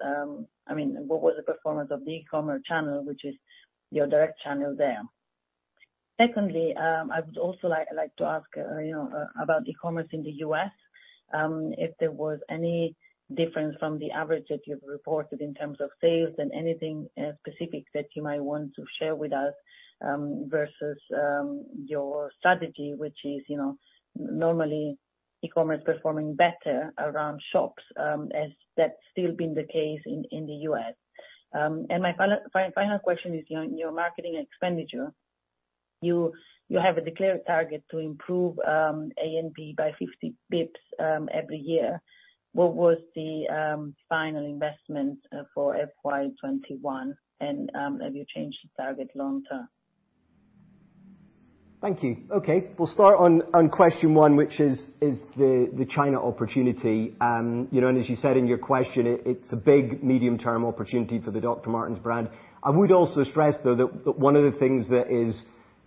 of the e-commerce channel, which is your direct channel there. Secondly, I'd also like to ask about e-commerce in the U.S., if there was any difference from the average that you've reported in terms of sales and anything specific that you might want to share with us versus your strategy, which is normally e-commerce performing better around shops. Has that still been the case in the U.S.? My final question is on your marketing expenditure. You have a declared target to improve A&P by 60 basis points every year. What was the final investment for FY 2021, and have you changed the target long term? Thank you. Okay, we'll start on question one, which is the China opportunity. As you said in your question, it's a big medium-term opportunity for the Dr. Martens brand. We'd also stress, though, that one of the things that is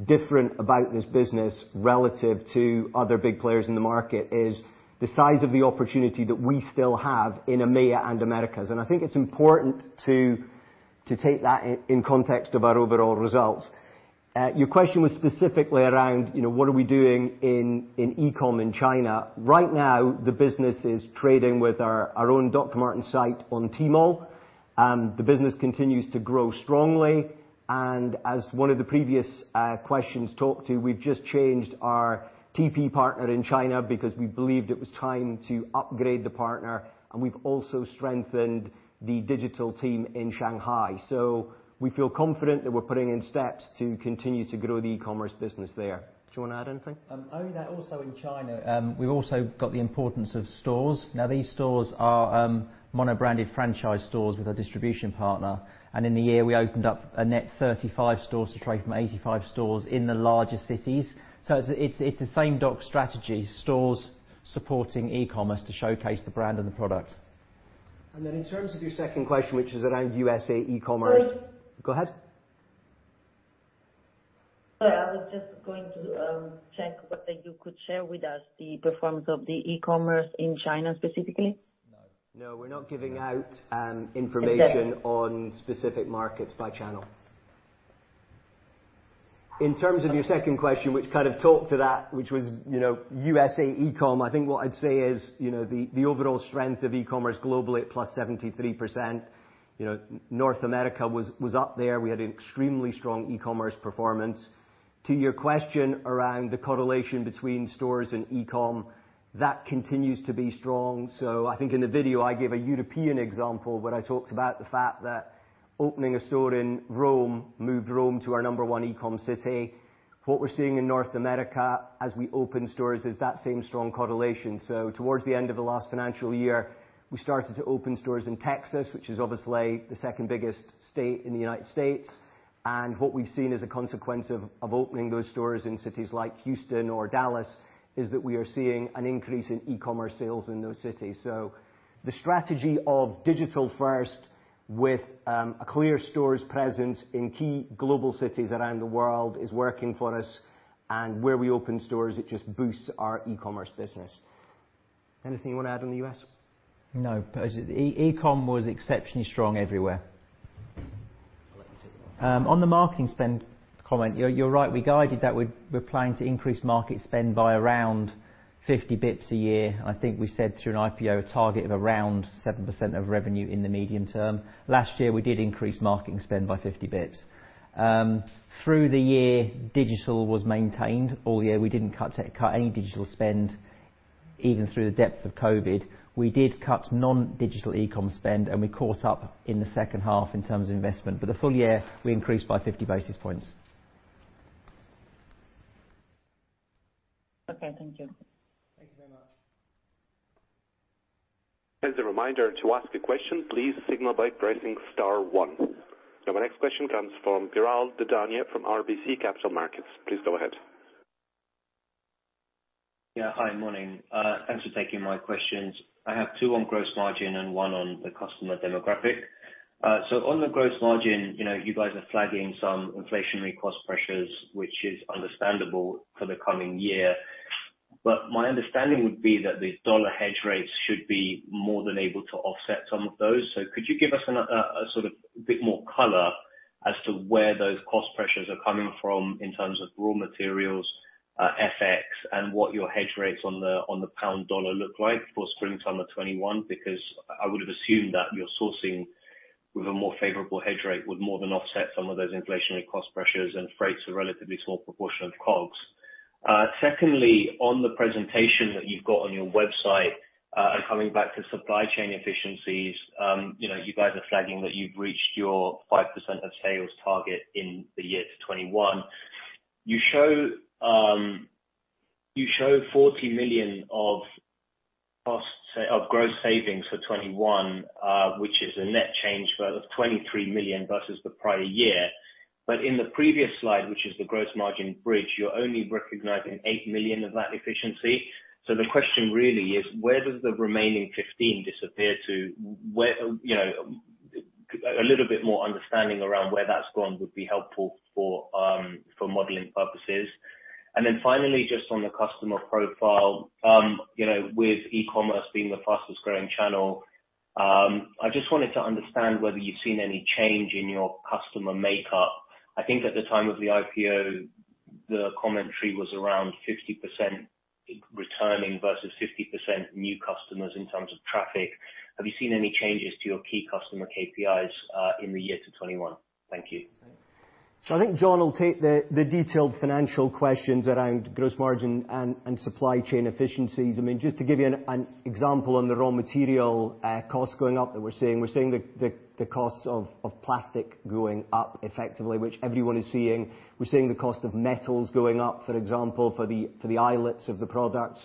different about this business relative to other big players in the market is the size of the opportunity that we still have in EMEA and Americas. I think it's important to take that in context of our overall results. Your question was specifically around what are we doing in e-com in China. Right now, the business is trading with our own Dr. Martens site on Tmall, and the business continues to grow strongly. As one of the previous questions talked to, we've just changed our TP partner in China because we believed it was time to upgrade the partner, and we've also strengthened the digital team in Shanghai. We feel confident that we're putting in steps to continue to grow the e-commerce business there. Do you want to add anything? Also in China, we also got the importance of stores. These stores are mono-branded franchise stores with our distribution partner. In the year, we opened up a net 35 stores to trade from 85 stores in the larger cities. It's a same DOCS strategy, stores supporting e-commerce to showcase the brand and the product. In terms of your second question, which is around USA e-commerce. Sorry. Go ahead. Sorry, I was just going to check whether you could share with us the performance of the e-commerce in China specifically. No, we're not giving out information on specific markets by channel. In terms of your second question, which kind of talked to that, which was USA e-com, I think what I'd say is, the overall strength of e-commerce globally at +73%, North America was up there. We had an extremely strong e-commerce performance. To your question around the correlation between stores and e-com, that continues to be strong. I think in the video I gave a European example when I talked about the fact that opening a store in Rome moved Rome to our number one e-com city. What we're seeing in North America as we open stores is that same strong correlation. Towards the end of the last financial year, we started to open stores in Texas, which is obviously the second biggest state in the United States. What we've seen as a consequence of opening those stores in cities like Houston or Dallas is that we are seeing an increase in e-commerce sales in those cities. The strategy of digital first with a clear stores presence in key global cities around the world is working for us. Where we open stores, it just boosts our e-commerce business. Anything you want to add on the U.S.? No, e-com was exceptionally strong everywhere. On the marketing spend comment, you're right, we guided that. We're planning to increase marketing spend by around 50 basis points a year. I think we said to an IPO target of around 7% of revenue in the medium term. Last year, we did increase marketing spend by 50 basis points. Through the year, digital was maintained all year. We didn't cut any digital spend, even through the depths of COVID. We did cut non-digital e-com spend, and we caught up in the second half in terms of investment. The full-year, we increased by 50 basis points. Okay, thank you. Thank you very much. As a reminder, to ask a question, please signal by pressing star one. My next question comes from Piral Dadhania from RBC Capital Markets. Please go ahead. Yeah. Hi, morning. Thanks for taking my questions. I have two on gross margin and one on the customer demographic. On the gross margin, you guys are flagging some inflationary cost pressures, which is understandable for the coming year. My understanding would be that the USD hedge rates should be more than able to offset some of those. Could you give us a bit more color as to where those cost pressures are coming from in terms of raw materials, FX, and what your hedge rates on the GBP USD look like for spring summer 2021? Because I would have assumed that your sourcing with a more favorable hedge rate would more than offset some of those inflationary cost pressures and freights are a relatively small proportion of COGS. Secondly, on the presentation that you've got on your website, coming back to supply chain efficiencies, you guys are flagging that you've reached your 5% of sales target in the year to 2021. You show 40 million of gross savings for 2021, which is a net change of 23 million versus the prior year. In the previous slide, which is the gross margin bridge, you're only recognizing 8 million of that efficiency. The question really is, where does the remaining 15 million disappear to? A little bit more understanding around where that's gone would be helpful for modeling purposes. Finally, just on the customer profile, with e-commerce being the fastest growing channel, I just wanted to understand whether you've seen any change in your customer makeup. I think at the time of the IPO, the commentary was around 50% returning versus 50% new customers in terms of traffic. Have you seen any changes to your key customer KPIs in the year to 2021? Thank you. I think Jon will take the detailed financial questions around gross margin and supply chain efficiencies. Just to give you an example on the raw material costs going up that we're seeing, we're seeing the costs of plastic going up effectively, which everyone is seeing. We're seeing the cost of metals going up, for example, for the eyelets of the product.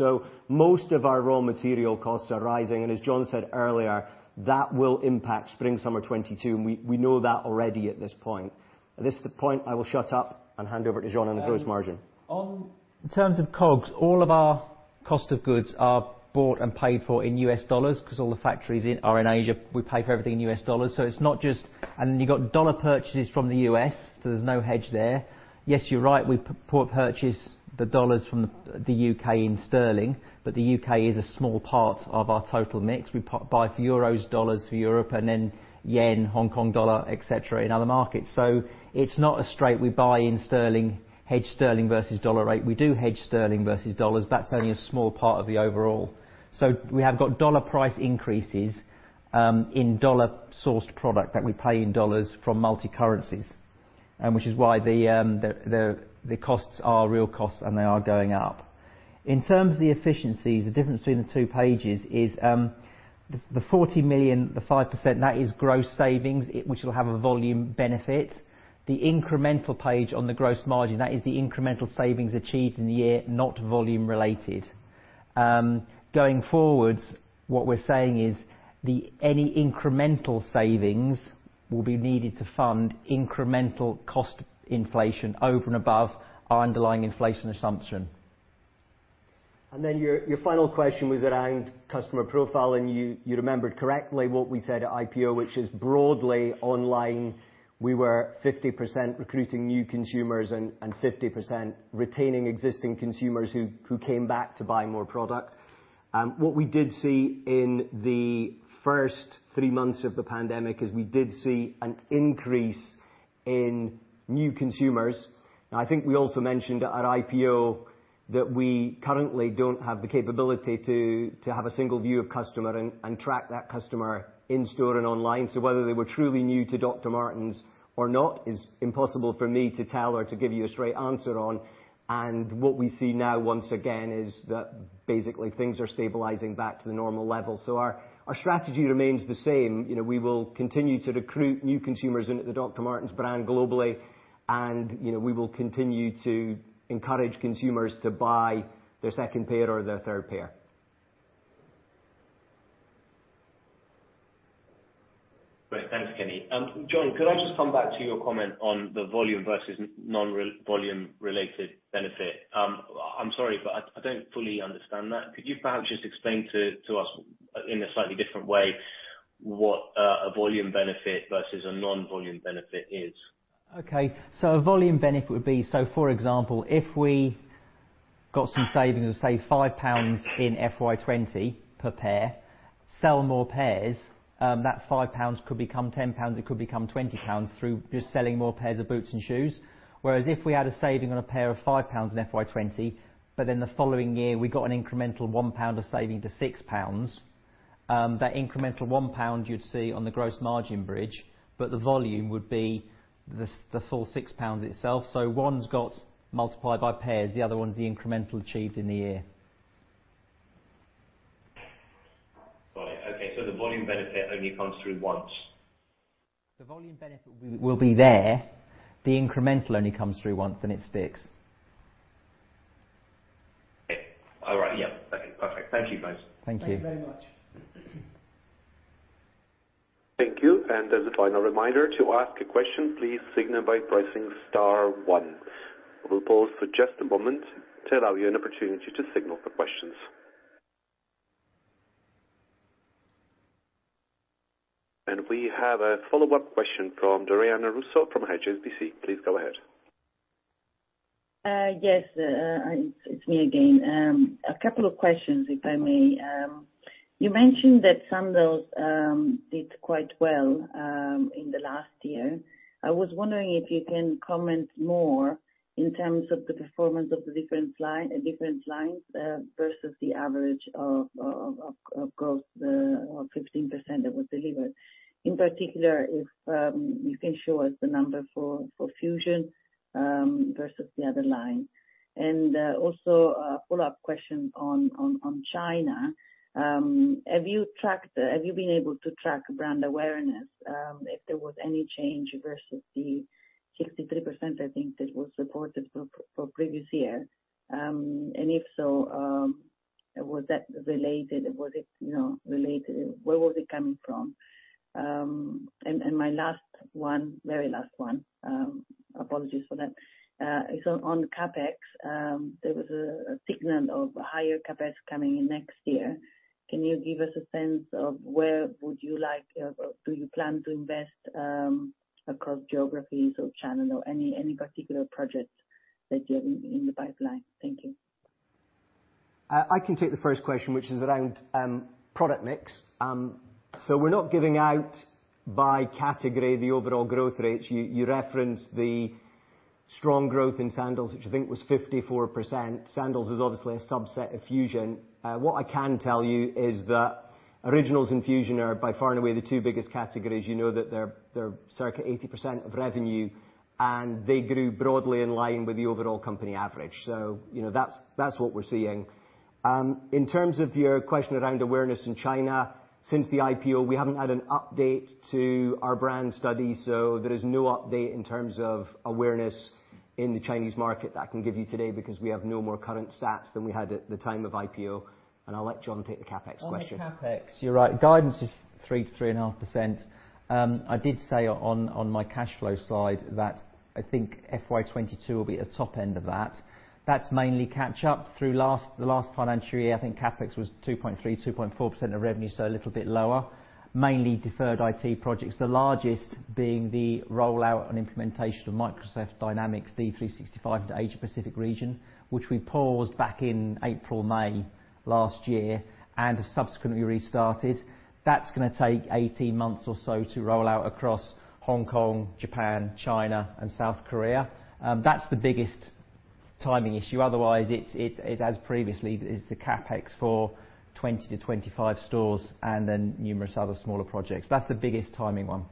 Most of our raw material costs are rising, and as Jon said earlier, that will impact spring summer 2022. We know that already at this point. This is the point I will shut up and hand over to Jon on gross margin. In terms of COGS, all of our cost of goods are bought and paid for in U.S. dollars because all the factories are in Asia. We pay for everything in U.S. dollars. You've got dollar purchases from the U.S., so there's no hedge there. Yes, you're right. We purchase the dollars from the U.K. in sterling, but the U.K. is a small part of our total mix. We buy for euros, dollars for Europe, and then yen, Hong Kong dollar, et cetera, in other markets. It's not a straight we buy in sterling, hedge sterling versus dollar rate. We do hedge sterling versus dollars. That's only a small part of the overall. We have got dollar price increases in dollar-sourced product that we pay in dollars from multi-currencies, which is why the costs are real costs, and they are going up. In terms of the efficiencies, the difference between the two pages is the 40 million, the 5%, that is gross savings, which will have a volume benefit. The incremental page on the gross margin, that is the incremental savings achieved in the year, not volume related. Going forwards, what we're saying is any incremental savings will be needed to fund incremental cost inflation over and above our underlying inflation assumption. Then your final question was around customer profile, and you remember correctly what we said at IPO, which is broadly online, we were 50% recruiting new consumers and 50% retaining existing consumers who came back to buy more product. What we did see in the first three months of the pandemic is we did see an increase in new consumers. I think we also mentioned at IPO that we currently don't have the capability to have a single view of customer and track that customer in store and online. Whether they were truly new to Dr. Martens or not is impossible for me to tell or to give you a straight answer on. What we see now, once again, is that basically things are stabilizing back to the normal level. Our strategy remains the same. We will continue to recruit new consumers into the Dr. Martens brand globally, and we will continue to encourage consumers to buy their second pair or their third pair. Great. Thanks, Kenny. Jon, can I just come back to your comment on the volume versus non-volume related benefit? I'm sorry, but I don't fully understand that. Could you perhaps just explain to us in a slightly different way what a volume benefit versus a non-volume benefit is? A volume benefit would be, for example, if we got some savings of, say, 5 pounds in FY 2020 per pair, sell more pairs, that 5 pounds could become 10 pounds, it could become 20 pounds through just selling more pairs of boots and shoes. If we had a saving on a pair of 5 pounds in FY 2020, but in the following year, we got an incremental 1 pound of saving to 6 pounds, that incremental 1 pound you'd see on the gross margin bridge, but the volume would be the full 6 pounds itself. One's got multiplied by pairs, the other one is the incremental achieved in the year. Got it. Okay, the volume benefit only comes through once. The volume benefit will be there. The incremental only comes through once, and it sticks. Okay. All right. Yep. Okay, perfect. Thank you both. Thank you. Thank you very much. Thank you. As a final reminder, to ask a question, please signal by pressing star one. We'll pause for just a moment to allow you an opportunity to signal for questions. We have a follow-up question from Doriana Russo from HSBC. Please go ahead. Yes. It's me again. A couple of questions, if I may. You mentioned that sandals did quite well in the last year. I was wondering if you can comment more in terms of the performance of the different lines versus the average of growth of 15% that was delivered. In particular, if you can show us the numbers for Fusion versus the other lines. A follow-up question on China. Have you been able to track brand awareness, if there was any change versus the 63%, I think, that was reported for previous years? If so, was that related? Where was it coming from? My very last one, apologies for that, is on CapEx. There was a signal of higher CapEx coming in next year. Can you give us a sense of where you plan to invest across geographies or channel or any particular projects that you have in the pipeline? Thank you. I can take the first question, which is around product mix. We're not giving out by category the overall growth rates. You referenced the strong growth in sandals, which I think was 54%. Sandals is obviously a subset of Fusion. What I can tell you is that Originals and Fusion are by far and away the two biggest categories. You know that they're circa 80% of revenue, and they grew broadly in line with the overall company average. That's what we're seeing. In terms of your question around awareness in China, since the IPO, we haven't had an update to our brand study, so there is no update in terms of awareness in the Chinese market that I can give you today because we have no more current stats than we had at the time of IPO. I'll let Jon take the CapEx question. On CapEx. You're right, the guidance is 3%-3.5%. I did say on my cash flow slide that I think FY 2022 will be at the top end of that. That's mainly catch-up through the last financial year. I think CapEx was 2.3%, 2.4% of revenue, so a little bit lower. Mainly deferred IT projects, the largest being the rollout and implementation of Microsoft Dynamics 365 in the Asia Pacific region, which we paused back in April/May last year and have subsequently restarted. That's going to take 18 months or so to roll out across Hong Kong, Japan, China, and South Korea. That's the biggest timing issue. As previously, it's the CapEx for 20-25 stores and then numerous other smaller projects. That's the biggest timing one.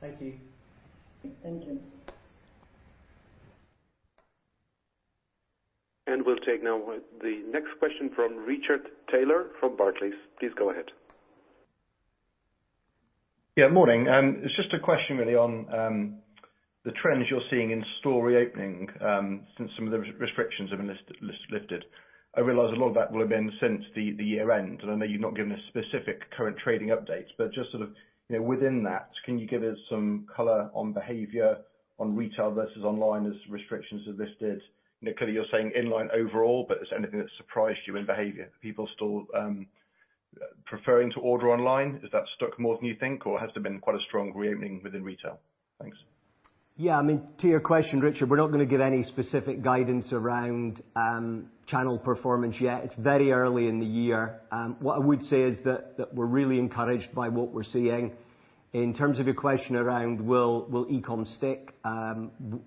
Thank you. Thank you. We'll take now the next question from Richard Taylor from Barclays. Please go ahead. Yeah, morning. It's just a question really on the trends you're seeing in store reopening since some of those restrictions have been lifted. I realize a lot of that will have been since the year-end, and I know you've not given a specific current trading update, but just sort of within that, can you give us some color on behavior on retail versus online as restrictions have lifted? Kenny, you're saying inline overall, but is there anything that surprised you in behavior? Are people still preferring to order online? Has that stuck more than you think, or has there been quite a strong reopening within retail? Thanks. Yeah, to your question, Richard, we're not going to give any specific guidance around channel performance yet. It's very early in the year. What I would say is that we're really encouraged by what we're seeing. In terms of your question around will e-com stick,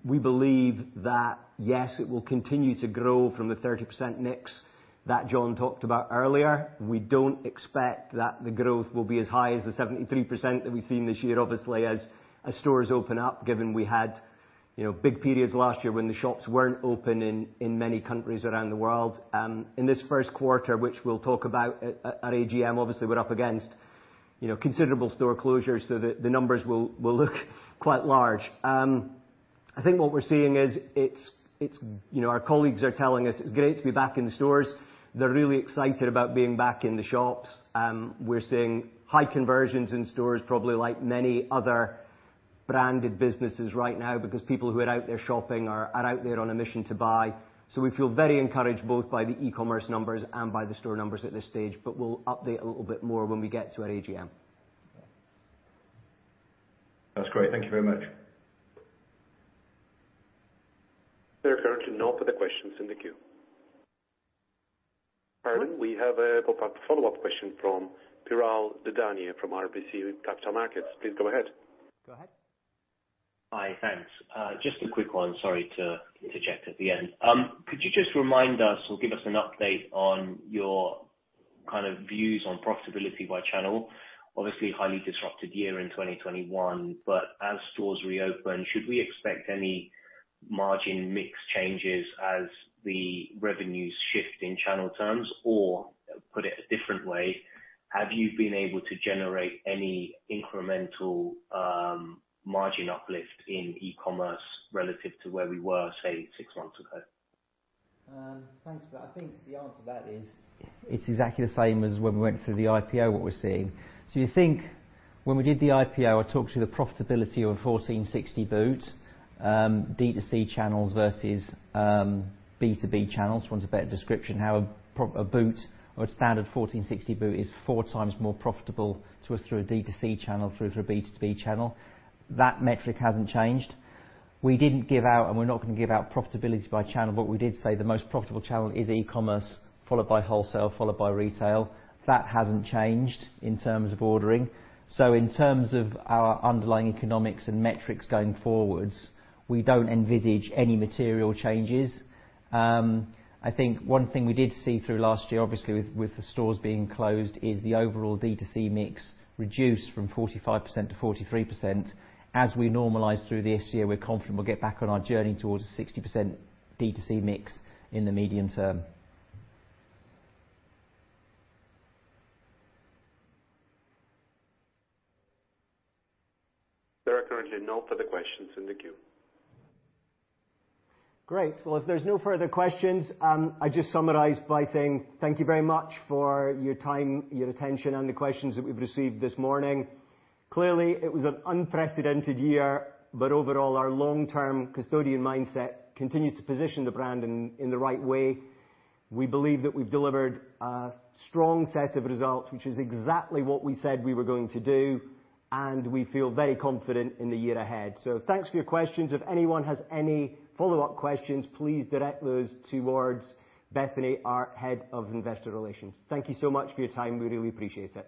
we believe that, yes, it will continue to grow from the 30% mix that Jon talked about earlier. We don't expect that the growth will be as high as the 73% that we've seen this year, obviously, as stores open up, given we had big periods last year when the shops weren't open in many countries around the world. In this first quarter, which we'll talk about at AGM, obviously, we're up against considerable store closures, so the numbers will look quite large. I think what we're seeing is our colleagues are telling us it's great to be back in stores. They're really excited about being back in the shops. We're seeing high conversions in stores, probably like many other branded businesses right now, because people who are out there shopping are out there on a mission to buy. We feel very encouraged both by the e-commerce numbers and by the store numbers at this stage, but we'll update a little bit more when we get to AGM. That's great. Thank you very much. There are currently no further questions in the queue. Kenny, we have a follow-up question from Piral Dadhania from RBC Capital Markets. Please go ahead. Go ahead. Hi, thanks. Just a quick one. Sorry to jet at the end. Could you just remind us or give us an update on your views on profitability by channel? Obviously, a highly disrupted year in 2021, but as stores reopen, should we expect any margin mix changes as the revenues shift in channel terms? Put it a different way, have you been able to generate any incremental margin uplift in e-commerce relative to where we were, say, six months ago? Thanks. I think the answer to that is it's exactly the same as when we went through the IPO, what we're seeing. You think when we did the IPO, I talked to the profitability of a 1460 boot, D2C channels versus B2B channels, for want of a better description, how a standard 1460 boot is 4x more profitable to us through a D2C channel through to a B2B channel. That metric hasn't changed. We didn't give out, and we're not going to give out profitability by channel, but we did say the most profitable channel is e-commerce, followed by wholesale, followed by retail. That hasn't changed in terms of ordering. In terms of our underlying economics and metrics going forwards, we don't envisage any material changes. I think one thing we did see through last year, obviously, with the stores being closed, is the overall D2C mix reduced from 45% to 43%. As we normalize through this year, we're confident we'll get back on our journey towards a 60% D2C mix in the medium term. There are currently no further questions in the queue. Great. Well, if there's no further questions, I just summarize by saying thank you very much for your time, your attention, and the questions that we've received this morning. Clearly, it was an unprecedented year, but overall, our long-term custodian mindset continues to position the brand in the right way. We believe that we've delivered a strong set of results, which is exactly what we said we were going to do, and we feel very confident in the year ahead. Thanks for your questions. If anyone has any follow-up questions, please direct those towards Bethany, our head of investor relations. Thank you so much for your time, we really appreciate it.